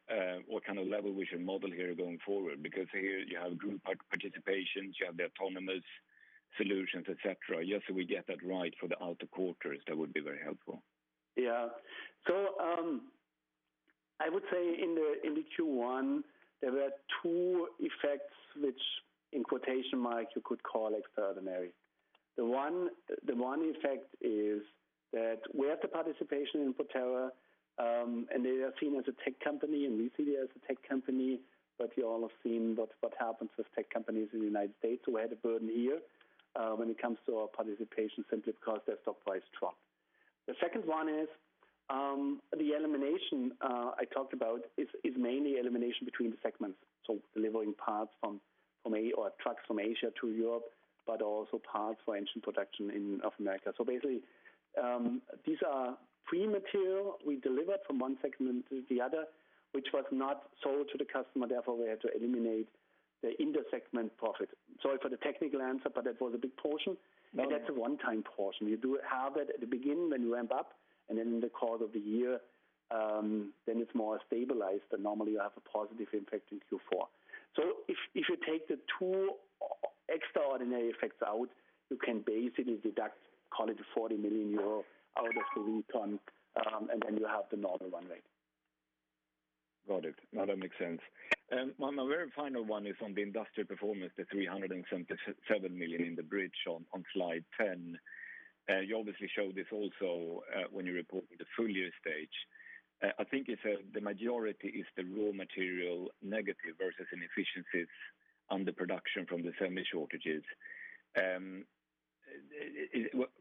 what kind of level we should model here going forward. Because here you have group part participation, you have the autonomous solutions, et cetera. Just so we get that right for the outer quarters, that would be very helpful. I would say in the Q1, there were two effects which, in quotation marks, you could call extraordinary. The one effect is that we had the participation in Proterra, and they are seen as a tech company, and we see it as a tech company. But you all have seen what happens with tech companies in the United States. We had a burden here when it comes to our participation simply because their stock price dropped. The second one is the elimination I talked about is mainly elimination between the segments. Delivering parts from Asia or trucks from Asia to Europe, but also parts for engine production in North America. Basically, these are free material we delivered from one segment to the other, which was not sold to the customer, therefore, we had to eliminate the inter-segment profit. Sorry for the technical answer, but that was a big portion. No. That's a one-time portion. You do have it at the beginning when you ramp up, and then in the course of the year, then it's more stabilized, and normally you have a positive impact in Q4. If you take the two extraordinary effects out, you can basically deduct, call it 40 million euro out of the recon, and then you have the normal run rate. Got it. Now that makes sense. My very final one is on the industrial performance, the 377 million in the bridge on slide 10. You obviously show this also when you report with the full year stage. I think it's the majority is the raw material negative versus inefficiencies on the production from the semi shortages.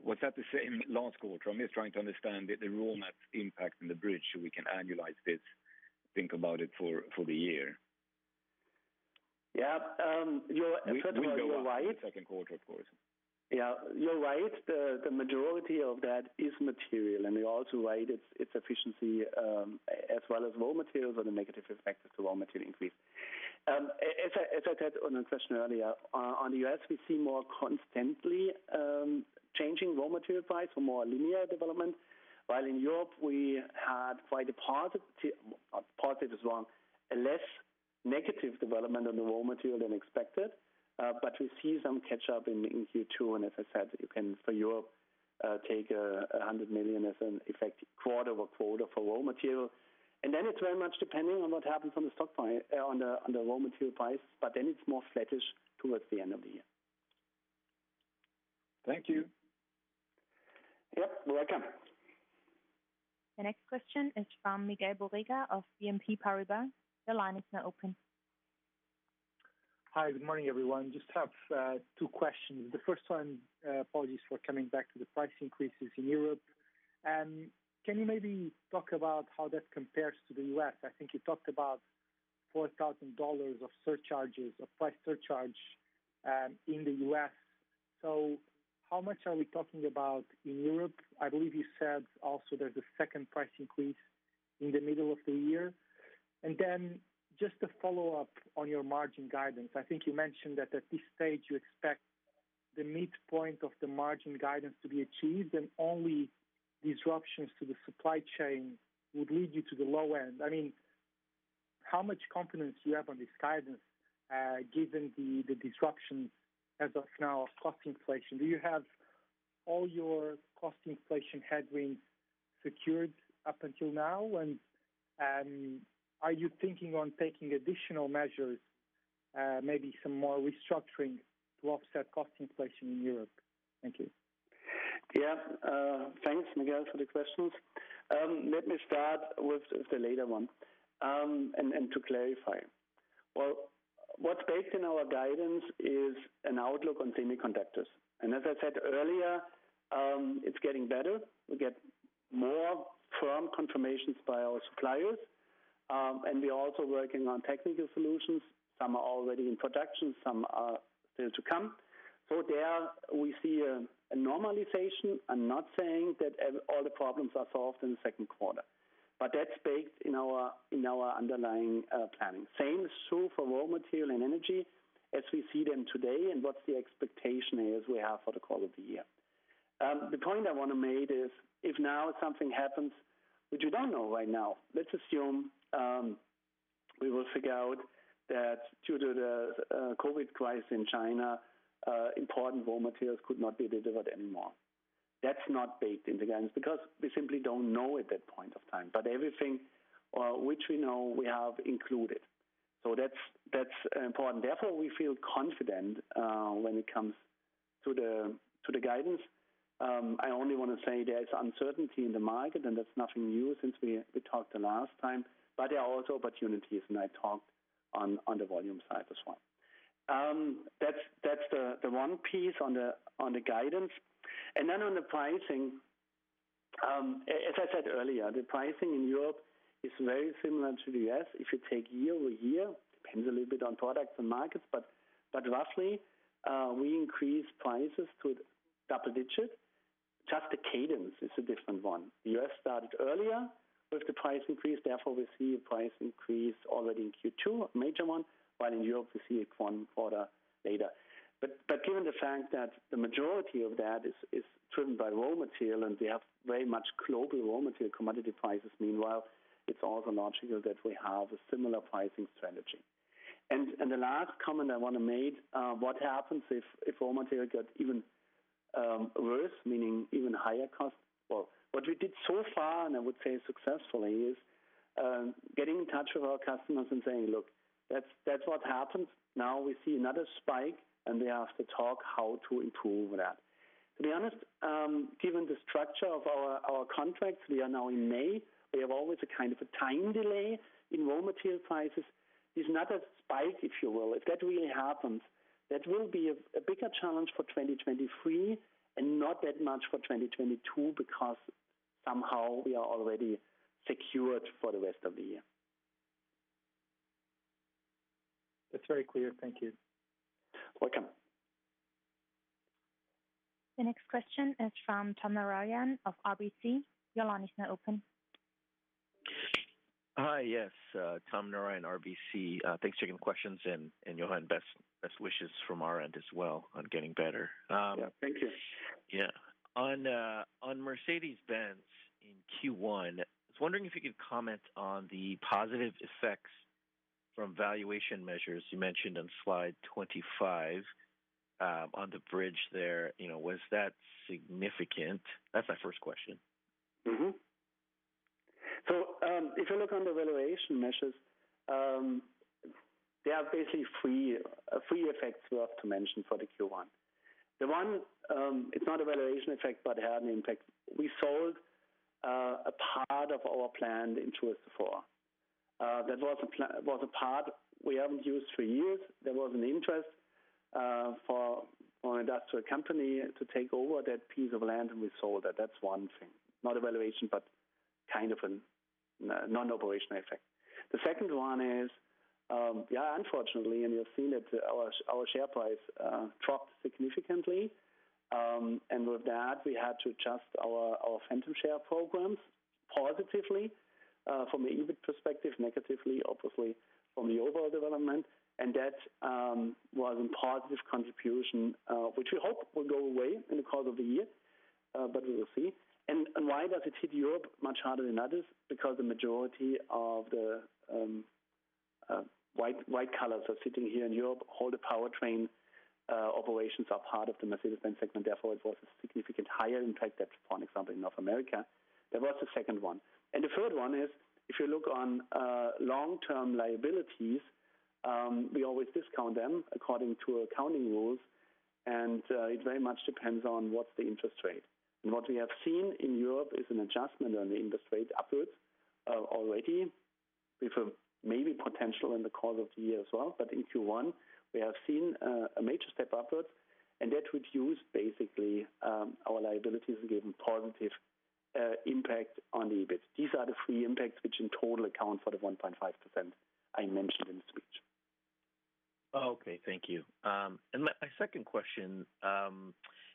Was that the same last quarter? I'm just trying to understand the raw mats impact in the bridge, so we can annualize this, think about it for the year. Yeah. You're, first of all, you're right. It will go up in the second quarter, of course. Yeah. You're right. The majority of that is material. You're also right, it's efficiency as well as raw materials are the negative effect as the raw material increase. As I said on a question earlier, on the U.S., we see more constantly changing raw material price for more linear development. While in Europe, we had quite a positive as well, a less negative development on the raw material than expected, but we see some catch up in Q2. As I said, you can for Europe take 100 million as an effect quarter-over-quarter for raw material. Then it's very much depending on what happens on the raw material price, but then it's more flattish towards the end of the year. Thank you. Yep, you're welcome. The next question is from Miguel Borrega of BNP Paribas. Your line is now open. Hi, good morning everyone. Just have two questions. The first one, apologies for coming back to the price increases in Europe. Can you maybe talk about how that compares to the U.S? I think you talked about $4,000 of surcharges, of price surcharge, in the U.S. So how much are we talking about in Europe? I believe you said also there's a second price increase in the middle of the year. Then just to follow up on your margin guidance, I think you mentioned that at this stage you expect the midpoint of the margin guidance to be achieved, and only disruptions to the supply chain would lead you to the low end. I mean, how much confidence do you have on this guidance, given the disruption as of now of cost inflation? Do you have all your cost inflation headwinds secured up until now? Are you thinking on taking additional measures, maybe some more restructuring to offset cost inflation in Europe? Thank you. Yeah. Thanks, Miguel Borrega, for the questions. Let me start with the later one and to clarify. Well, what's based in our guidance is an outlook on semiconductors. As I said earlier, it's getting better. We get more firm confirmations by our suppliers, and we are also working on technical solutions. Some are already in production, some are still to come. There we see a normalization. I'm not saying that all the problems are solved in the second quarter. That's based in our underlying planning. Same is true for raw material and energy as we see them today and what the expectation is we have for the course of the year. The point I wanna make is if now something happens, which we don't know right now, let's assume, we will figure out that due to the COVID crisis in China, important raw materials could not be delivered anymore. That's not baked in the guidance because we simply don't know at that point of time. Everything which we know we have included. That's important. Therefore, we feel confident when it comes to the guidance. I only wanna say there is uncertainty in the market, and that's nothing new since we talked the last time, but there are also opportunities, and I talked on the volume side as well. That's the one piece on the guidance. On the pricing, as I said earlier, the pricing in Europe is very similar to the U.S. If you take year-over-year, it depends a little bit on products and markets, but roughly, we increase prices to double-digit. Just the cadence is a different one. The U.S started earlier with the price increase, therefore we see a price increase already in Q2, a major one, while in Europe we see it one quarter later. Given the fact that the majority of that is driven by raw material, and we have very much global raw material commodity prices meanwhile, it's also logical that we have a similar pricing strategy. The last comment I wanna make, what happens if raw material gets even worse, meaning even higher cost? Well, what we did so far, and I would say successfully, is getting in touch with our customers and saying, "Look, that's what happens." Now we see another spike, and we have to talk how to improve that. To be honest, given the structure of our contracts, we are now in May, we have always a kind of a time delay in raw material prices. It's not a spike, if you will. If that really happens, that will be a bigger challenge for 2023 and not that much for 2022 because somehow we are already secured for the rest of the year. That's very clear. Thank you. Welcome. The next question is from Tom Narayan of RBC. Your line is now open. Hi. Yes, Tom Narayan, RBC. Thanks for taking the questions. Jochen, best wishes from our end as well on getting better. Yeah. Thank you. On Mercedes-Benz in Q1, I was wondering if you could comment on the positive effects from valuation measures you mentioned on slide 25, on the bridge there. You know, was that significant? That's my first question. If you look on the valuation measures, there are basically three effects we have to mention for the Q1. The one, it's not a valuation effect, but it had an impact. We sold a part of our plant in Torsby. That was a part we haven't used for years. There was an interest for an industrial company to take over that piece of land, and we sold it. That's one thing. Not a valuation, but kind of a non-operational effect. The second one is, yeah, unfortunately, and you've seen it, our share price dropped significantly. And with that, we had to adjust our phantom share programs positively, from the EBIT perspective, negatively obviously from the overall development. That was in part this contribution, which we hope will go away in the course of the year. We will see. Why does it hit Europe much harder than others? Because the majority of the white collars are sitting here in Europe. All the powertrain operations are part of the Mercedes-Benz segment, therefore it was a significant higher impact. That's one example in North America. There was a second one. The third one is, if you look on long-term liabilities, we always discount them according to accounting rules, and it very much depends on what's the interest rate. What we have seen in Europe is an adjustment on the interest rate upwards, already, with a maybe potential in the course of the year as well. If you want, we have seen a major step upwards, and that reduced basically our liabilities and gave a positive impact on the EBIT. These are the three impacts which in total account for the 1.5% I mentioned in the speech. Okay, thank you. My second question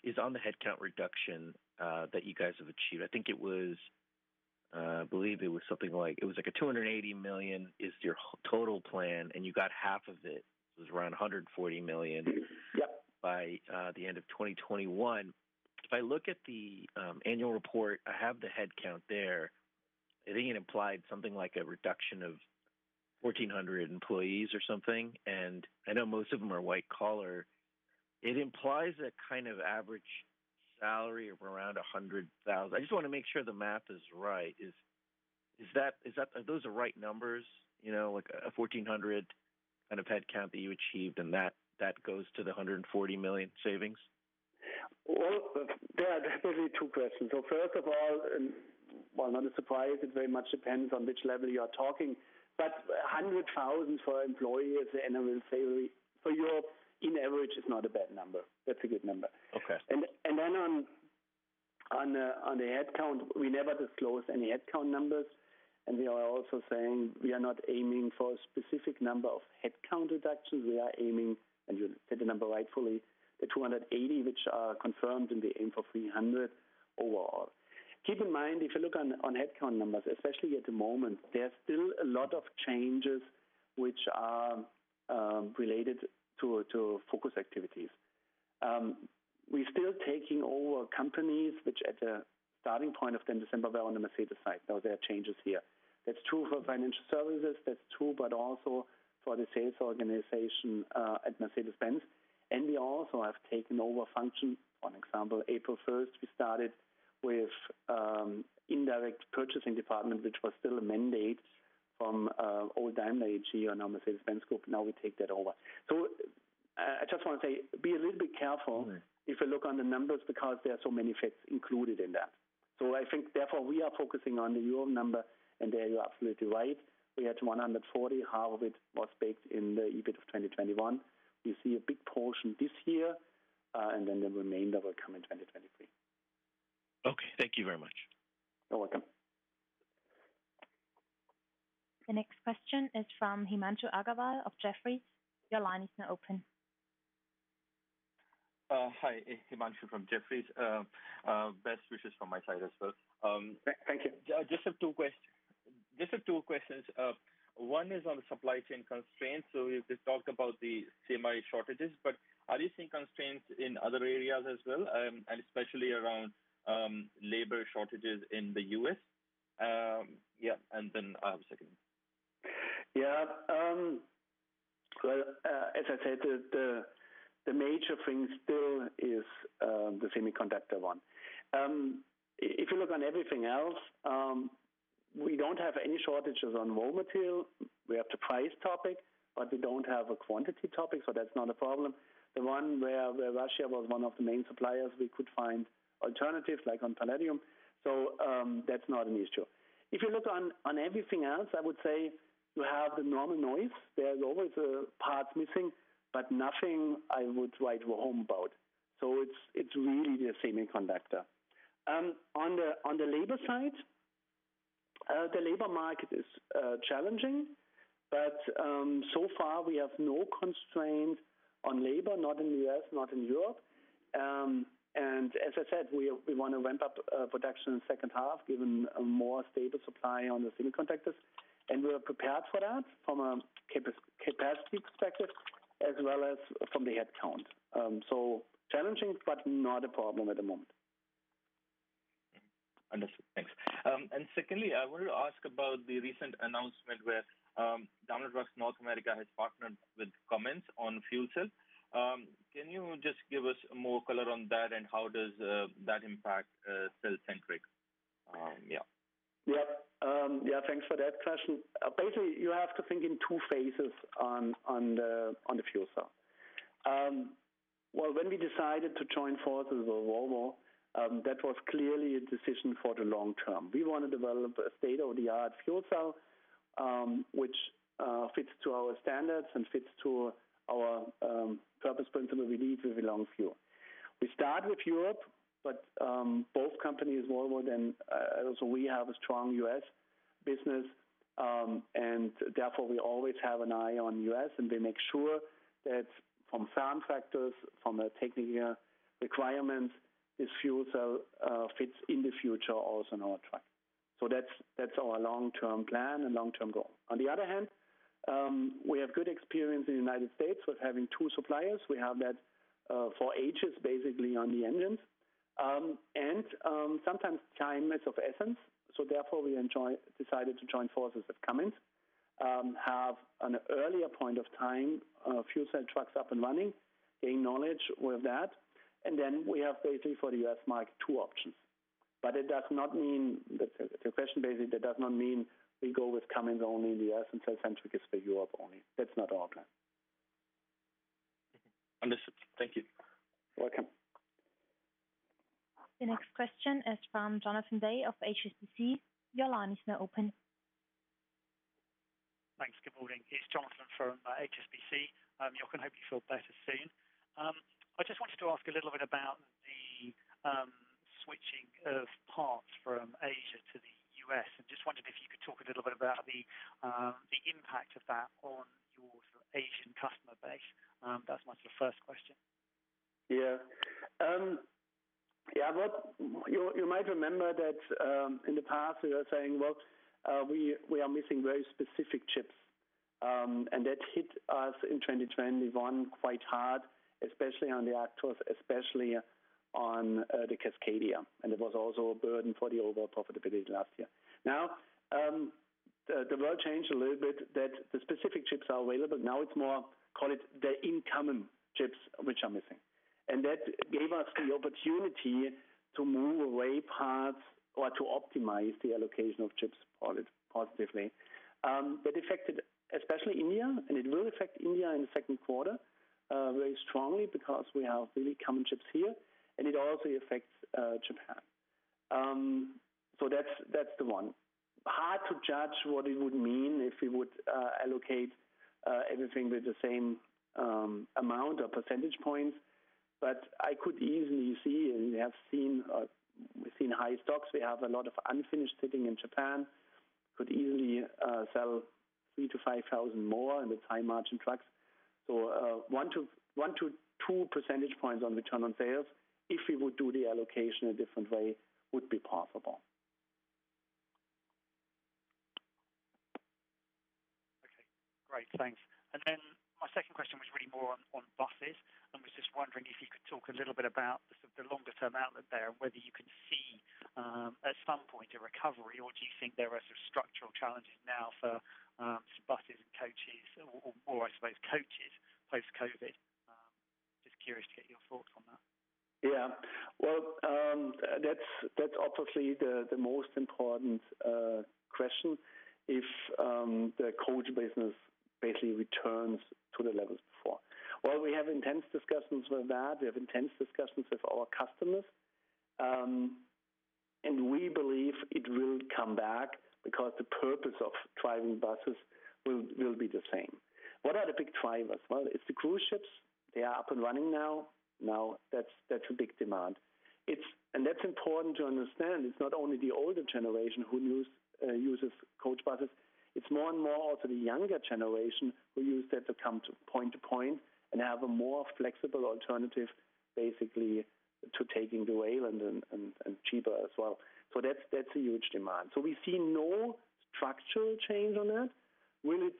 is on the headcount reduction that you guys have achieved. I think it was, I believe it was something like, it was like 280 million is your total plan, and you got half of it. It was around 140 million. Yep By the end of 2021. If I look at the annual report, I have the headcount there. I think it implied something like a reduction of 1,400 employees or something, and I know most of them are white collar. It implies a kind of average salary of around 100,000. I just wanna make sure the math is right. Is that, are those the right numbers? You know, like a 1,400 kind of headcount that you achieved, and that goes to the 140 million savings? Well, there are definitely two questions. First of all, well, not a surprise, it very much depends on which level you are talking. 100,000 per employee is the annual salary for Europe on average is not a bad number. That's a good number. Okay. On the headcount, we never disclose any headcount numbers, and we are also saying we are not aiming for a specific number of headcount reduction. We are aiming, and you said the number rightfully, the 280, which are confirmed in the aim for 300 overall. Keep in mind, if you look on headcount numbers, especially at the moment, there are still a lot of changes which are related to focus activities. We're still taking over companies which at the starting point of the December were on the Mercedes side. Now there are changes here. That's true for financial services. That's true, but also for the sales organization at Mercedes-Benz. We also have taken over functions. One example, April first, we started with indirect purchasing department, which was still a mandate from old Daimler AG or now Mercedes-Benz Group. Now we take that over. I just wanna say, be a little bit careful. Mm-hmm If you look on the numbers because there are so many effects included in that. I think therefore we are focusing on the euro number, and there you are absolutely right. We are at 140. Half of it was baked in the EBIT of 2021. We see a big portion this year, and then the remainder will come in 2023. Okay. Thank you very much. You're welcome. The next question is from Himanshu Agarwal of Jefferies. Your line is now open. Hi. Himanshu from Jefferies. Best wishes from my side as well. Thank you. Just have two questions. One is on the supply chain constraints. We've just talked about the semi shortages, but are you seeing constraints in other areas as well, and especially around labor shortages in the U.S.? Yeah, and then I have a second one. As I said, the major thing still is the semiconductor one. If you look on everything else, we don't have any shortages on raw material. We have the price topic, but we don't have a quantity topic, so that's not a problem. The one where Russia was one of the main suppliers, we could find alternatives like on palladium. That's not an issue. If you look on everything else, I would say you have the normal noise. There's always parts missing, but nothing I would write home about. It's really the semiconductor. On the labor side, the labor market is challenging, but so far we have no constraints on labor, not in the U.S., not in Europe. As I said, we wanna ramp up production in the second half, given a more stable supply on the semiconductors, and we are prepared for that from a capacity perspective as well as from the headcount. Challenging, but not a problem at the moment. Understood. Thanks. Secondly, I wanted to ask about the recent announcement where Daimler Truck North America has partnered with Cummins on fuel cells. Can you just give us more color on that, and how does that impact cellcentric? Yeah. Yeah. Yeah, thanks for that question. Basically you have to think in two phases on the fuel cell. Well, when we decided to join forces with Volvo, that was clearly a decision for the long term. We wanna develop a state-of-the-art fuel cell, which fits to our standards and fits to our purpose principle we need with the long fuel. We start with Europe, but both companies, Volvo and also we have a strong U.S. business, and therefore we always have an eye on U.S., and we make sure that from sound factors, from technical requirements, this fuel cell fits in the future also in our truck. That's our long-term plan and long-term goal. On the other hand, we have good experience in the United States with having two suppliers. We have that for ages basically on the engines. Sometimes time is of the essence, so therefore we decided to join forces with Cummins, have an earlier point of time, fuel cell trucks up and running, gain knowledge with that, and then we have basically for the U.S. market two options. It does not mean. The question basically, that does not mean we go with Cummins only in the U.S. and cellcentric is for Europe only. That's not our plan. Mm-hmm. Understood. Thank you. You're welcome. The next question is from Jonathan Day of HSBC. Your line is now open. Thanks. Good morning. It's Jonathan from HSBC. Jochen, hope you feel better soon. I just wanted to ask a little bit about the switching of parts from Asia to the US. I'm just wondering if you could talk a little bit about the impact of that on your Asian customer base. That's my sort of first question. Yeah. Yeah, you might remember that, in the past, we were saying, well, we are missing very specific chips, and that hit us in 2021 quite hard, especially on the Actros, especially on the Cascadia. It was also a burden for the overall profitability last year. Now, the world changed a little bit that the specific chips are available. Now it's more, call it the incoming chips which are missing. That gave us the opportunity to move away parts or to optimize the allocation of chips positively. That affected especially India, and it will affect India in the second quarter very strongly because we have really common chips here, and it also affects Japan. So that's the one. Hard to judge what it would mean if we would allocate everything with the same amount or percentage points. I could easily see, and we have seen high stocks. We have a lot of unfinished sitting in Japan. Could easily sell 3,000-5,000 more, and it's high-margin trucks. one to two percentage points on return on sales, if we would do the allocation a different way, would be possible. Okay. Great. Thanks. My second question was really more on buses. I was just wondering if you could talk a little bit about the longer-term outlook there, whether you can see at some point a recovery, or do you think there are sort of structural challenges now for buses and coaches or I suppose coaches post-COVID? Just curious to get your thoughts on that. Yeah. Well, that's obviously the most important question, if the coach business basically returns to the levels before. We have intense discussions with that. We have intense discussions with our customers. We believe it will come back because the purpose of driving buses will be the same. What are the big drivers? Well, it's the cruise ships. They are up and running now. Now, that's a big demand. It's. That's important to understand. It's not only the older generation who uses coach buses. It's more and more also the younger generation who use that to come to point to point and have a more flexible alternative basically to taking the rail and then and cheaper as well. That's a huge demand. We see no structural change on that. Will it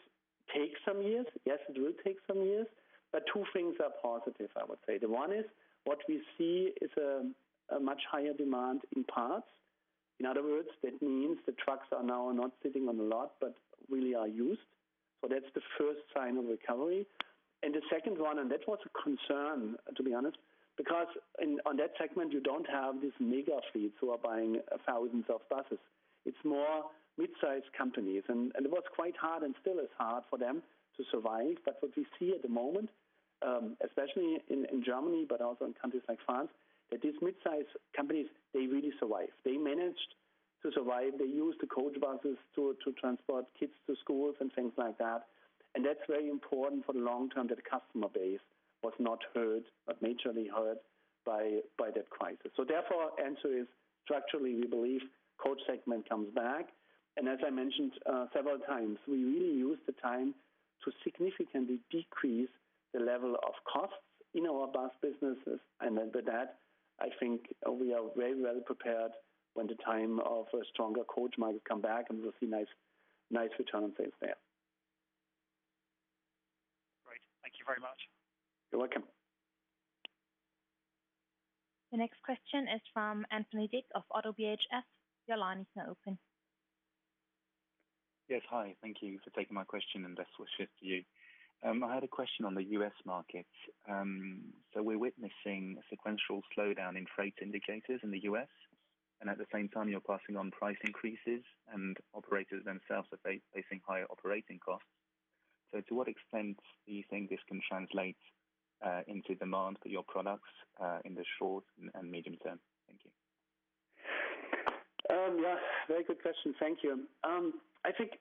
take some years? Yes, it will take some years. Two things are positive, I would say. The one is what we see is a much higher demand in parts. In other words, that means the trucks are now not sitting on the lot, but really are used. So that's the first sign of recovery. The second one, and that was a concern, to be honest, because on that segment, you don't have these mega fleets who are buying thousands of buses. It's more mid-sized companies. It was quite hard and still is hard for them to survive. What we see at the moment, especially in Germany, but also in countries like France, that these mid-sized companies, they really survive. They managed to survive. They used the coach buses to transport kids to schools and things like that. That's very important for the long term that the customer base was not hurt, but majorly hurt by that crisis. Therefore, our answer is structurally, we believe coach segment comes back. As I mentioned, several times, we really use the time to significantly decrease the level of costs in our bus businesses. With that, I think we are very well prepared when the time of a stronger coach might come back, and we'll see nice return on sales there. Great. Thank you very much. You're welcome. The next question is from Anthony Dick of ODDO BHF. Your line is now open. Yes. Hi. Thank you for taking my question, and best wishes to you. I had a question on the U.S. market. We're witnessing a sequential slowdown in freight indicators in the US, and at the same time, you're passing on price increases, and operators themselves are facing higher operating costs. To what extent do you think this can translate into demand for your products in the short and medium term? Thank you. Yeah. Very good question. Thank you. I think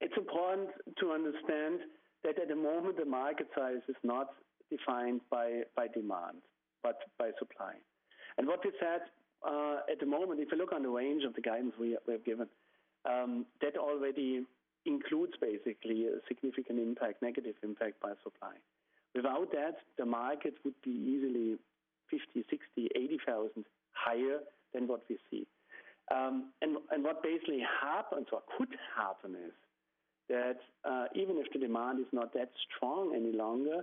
it's important to understand that at the moment, the market size is not defined by demand, but by supply. What we said, at the moment, if you look on the range of the guidance we have given, that already includes basically a significant impact, negative impact by supply. Without that, the market would be easily 50, 60, 80 thousand higher than what we see. What basically happens or could happen is that, even if the demand is not that strong any longer,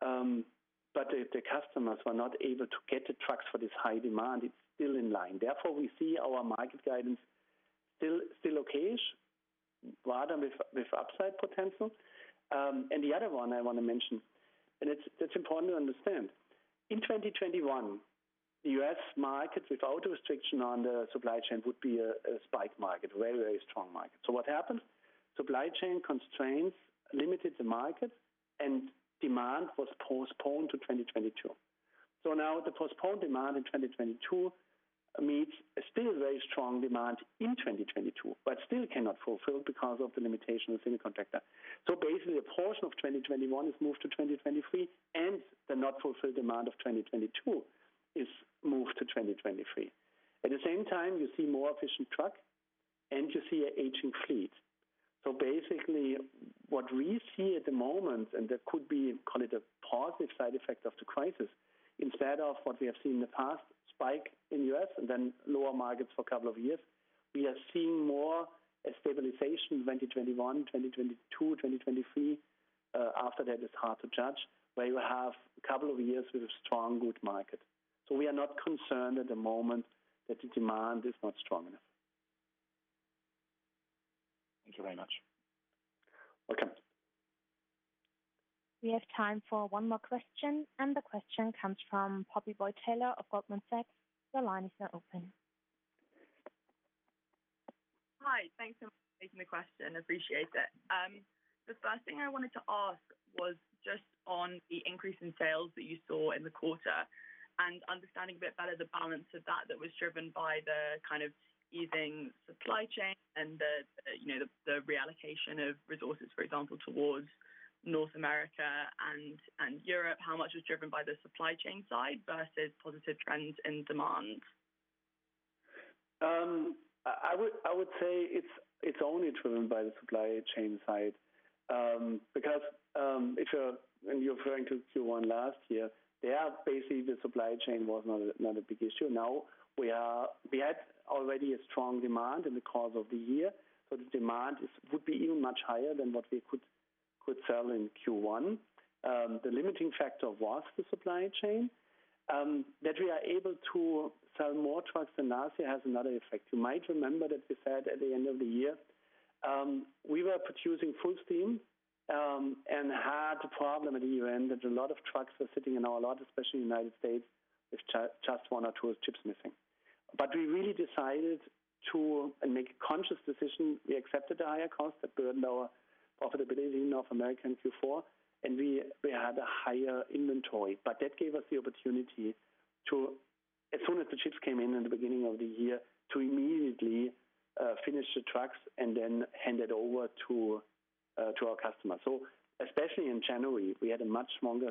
but the customers were not able to get the trucks for this high demand, it's still in line. Therefore, we see our market guidance still okay, rather with upside potential. The other one I wanna mention, and it's important to understand. In 2021, the U.S. market, without a restriction on the supply chain, would be a spike market, very, very strong market. What happened? Supply chain constraints limited the market, and demand was postponed to 2022. Now the postponed demand in 2022 meets a still very strong demand in 2022, but still cannot fulfill because of the limitation of semi-conductor. Basically, a portion of 2021 is moved to 2023, and the not fulfilled demand of 2022 is moved to 2023. At the same time, you see more efficient truck, and you see an aging fleet. Basically, what we see at the moment, and that could be, call it a positive side effect of the crisis, instead of what we have seen in the past, spike in U.S. and then lower markets for a couple of years, we are seeing more a stabilization in 2021, 2022, 2023. After that it's hard to judge, where you have a couple of years with a strong good market. We are not concerned at the moment that the demand is not strong enough. Thank you very much. Welcome. We have time for one more question, and the question comes from George Galliers of Goldman Sachs. Your line is now open. Hi. Thanks for taking the question. Appreciate it. The first thing I wanted to ask was just on the increase in sales that you saw in the quarter and understanding a bit better the balance of that was driven by the kind of easing supply chain and the reallocation of resources, for example, towards North America and Europe. How much was driven by the supply chain side versus positive trends in demand? I would say it's only driven by the supply chain side. Because you're referring to Q1 last year. Yeah, basically the supply chain was not a big issue. We had already a strong demand in the course of the year, so the demand would be even much higher than what we could sell in Q1. The limiting factor was the supply chain that we are able to sell more trucks than last year has another effect. You might remember that we said at the end of the year, we were producing full steam, and had a problem at the year-end that a lot of trucks were sitting in our lot, especially in the United States, with just one or two chips missing. We really decided to make a conscious decision. We accepted the higher cost that burdened our profitability in North America in Q4, and we had a higher inventory. That gave us the opportunity to, as soon as the chips came in in the beginning of the year, to immediately finish the trucks and then hand it over to our customers. Especially in January, we had a much stronger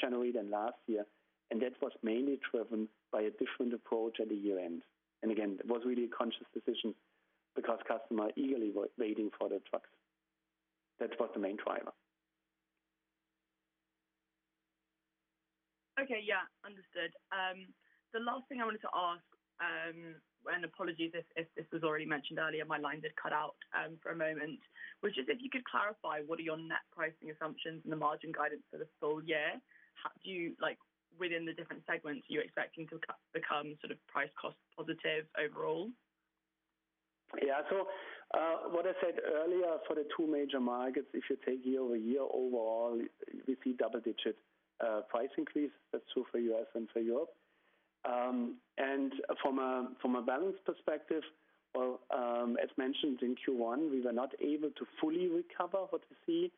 January than last year, and that was mainly driven by a different approach at the year-end. Again, that was really a conscious decision because customer eagerly were waiting for the trucks. That was the main driver. Okay. Yeah, understood. The last thing I wanted to ask, and apologies if this was already mentioned earlier, my line did cut out for a moment, which is if you could clarify what are your net pricing assumptions and the margin guidance for the full year. How do you like, within the different segments, are you expecting to become sort of price cost positive overall? Yeah. What I said earlier, for the two major markets, if you take year-over-year overall, we see double-digit price increase. That's true for U.S. and for Europe. From a balance perspective, as mentioned in Q1, we were not able to fully recover what we see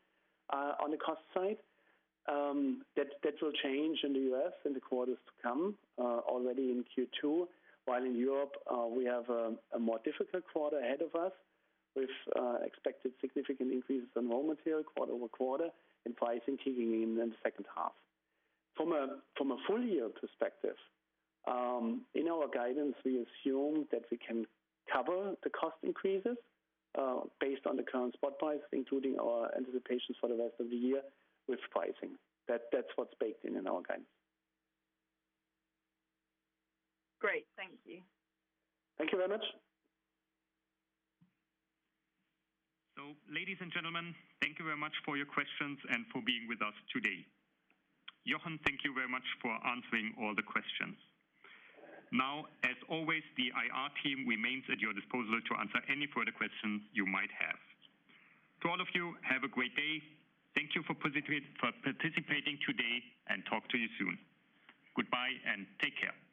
on the cost side. That will change in the U.S. in the quarters to come, already in Q2. While in Europe, we have a more difficult quarter ahead of us with expected significant increases in raw material quarter-over-quarter and pricing kicking in in the second half. From a full year perspective, in our guidance, we assume that we can cover the cost increases based on the current spot price, including our anticipations for the rest of the year with pricing. That's what's baked in our guidance. Great. Thank you. Thank you very much. Ladies and gentlemen, thank you very much for your questions and for being with us today. Jochen Goetz, thank you very much for answering all the questions. Now, as always, the IR team remains at your disposal to answer any further questions you might have. To all of you, have a great day. Thank you for participating today, and talk to you soon. Goodbye and take care.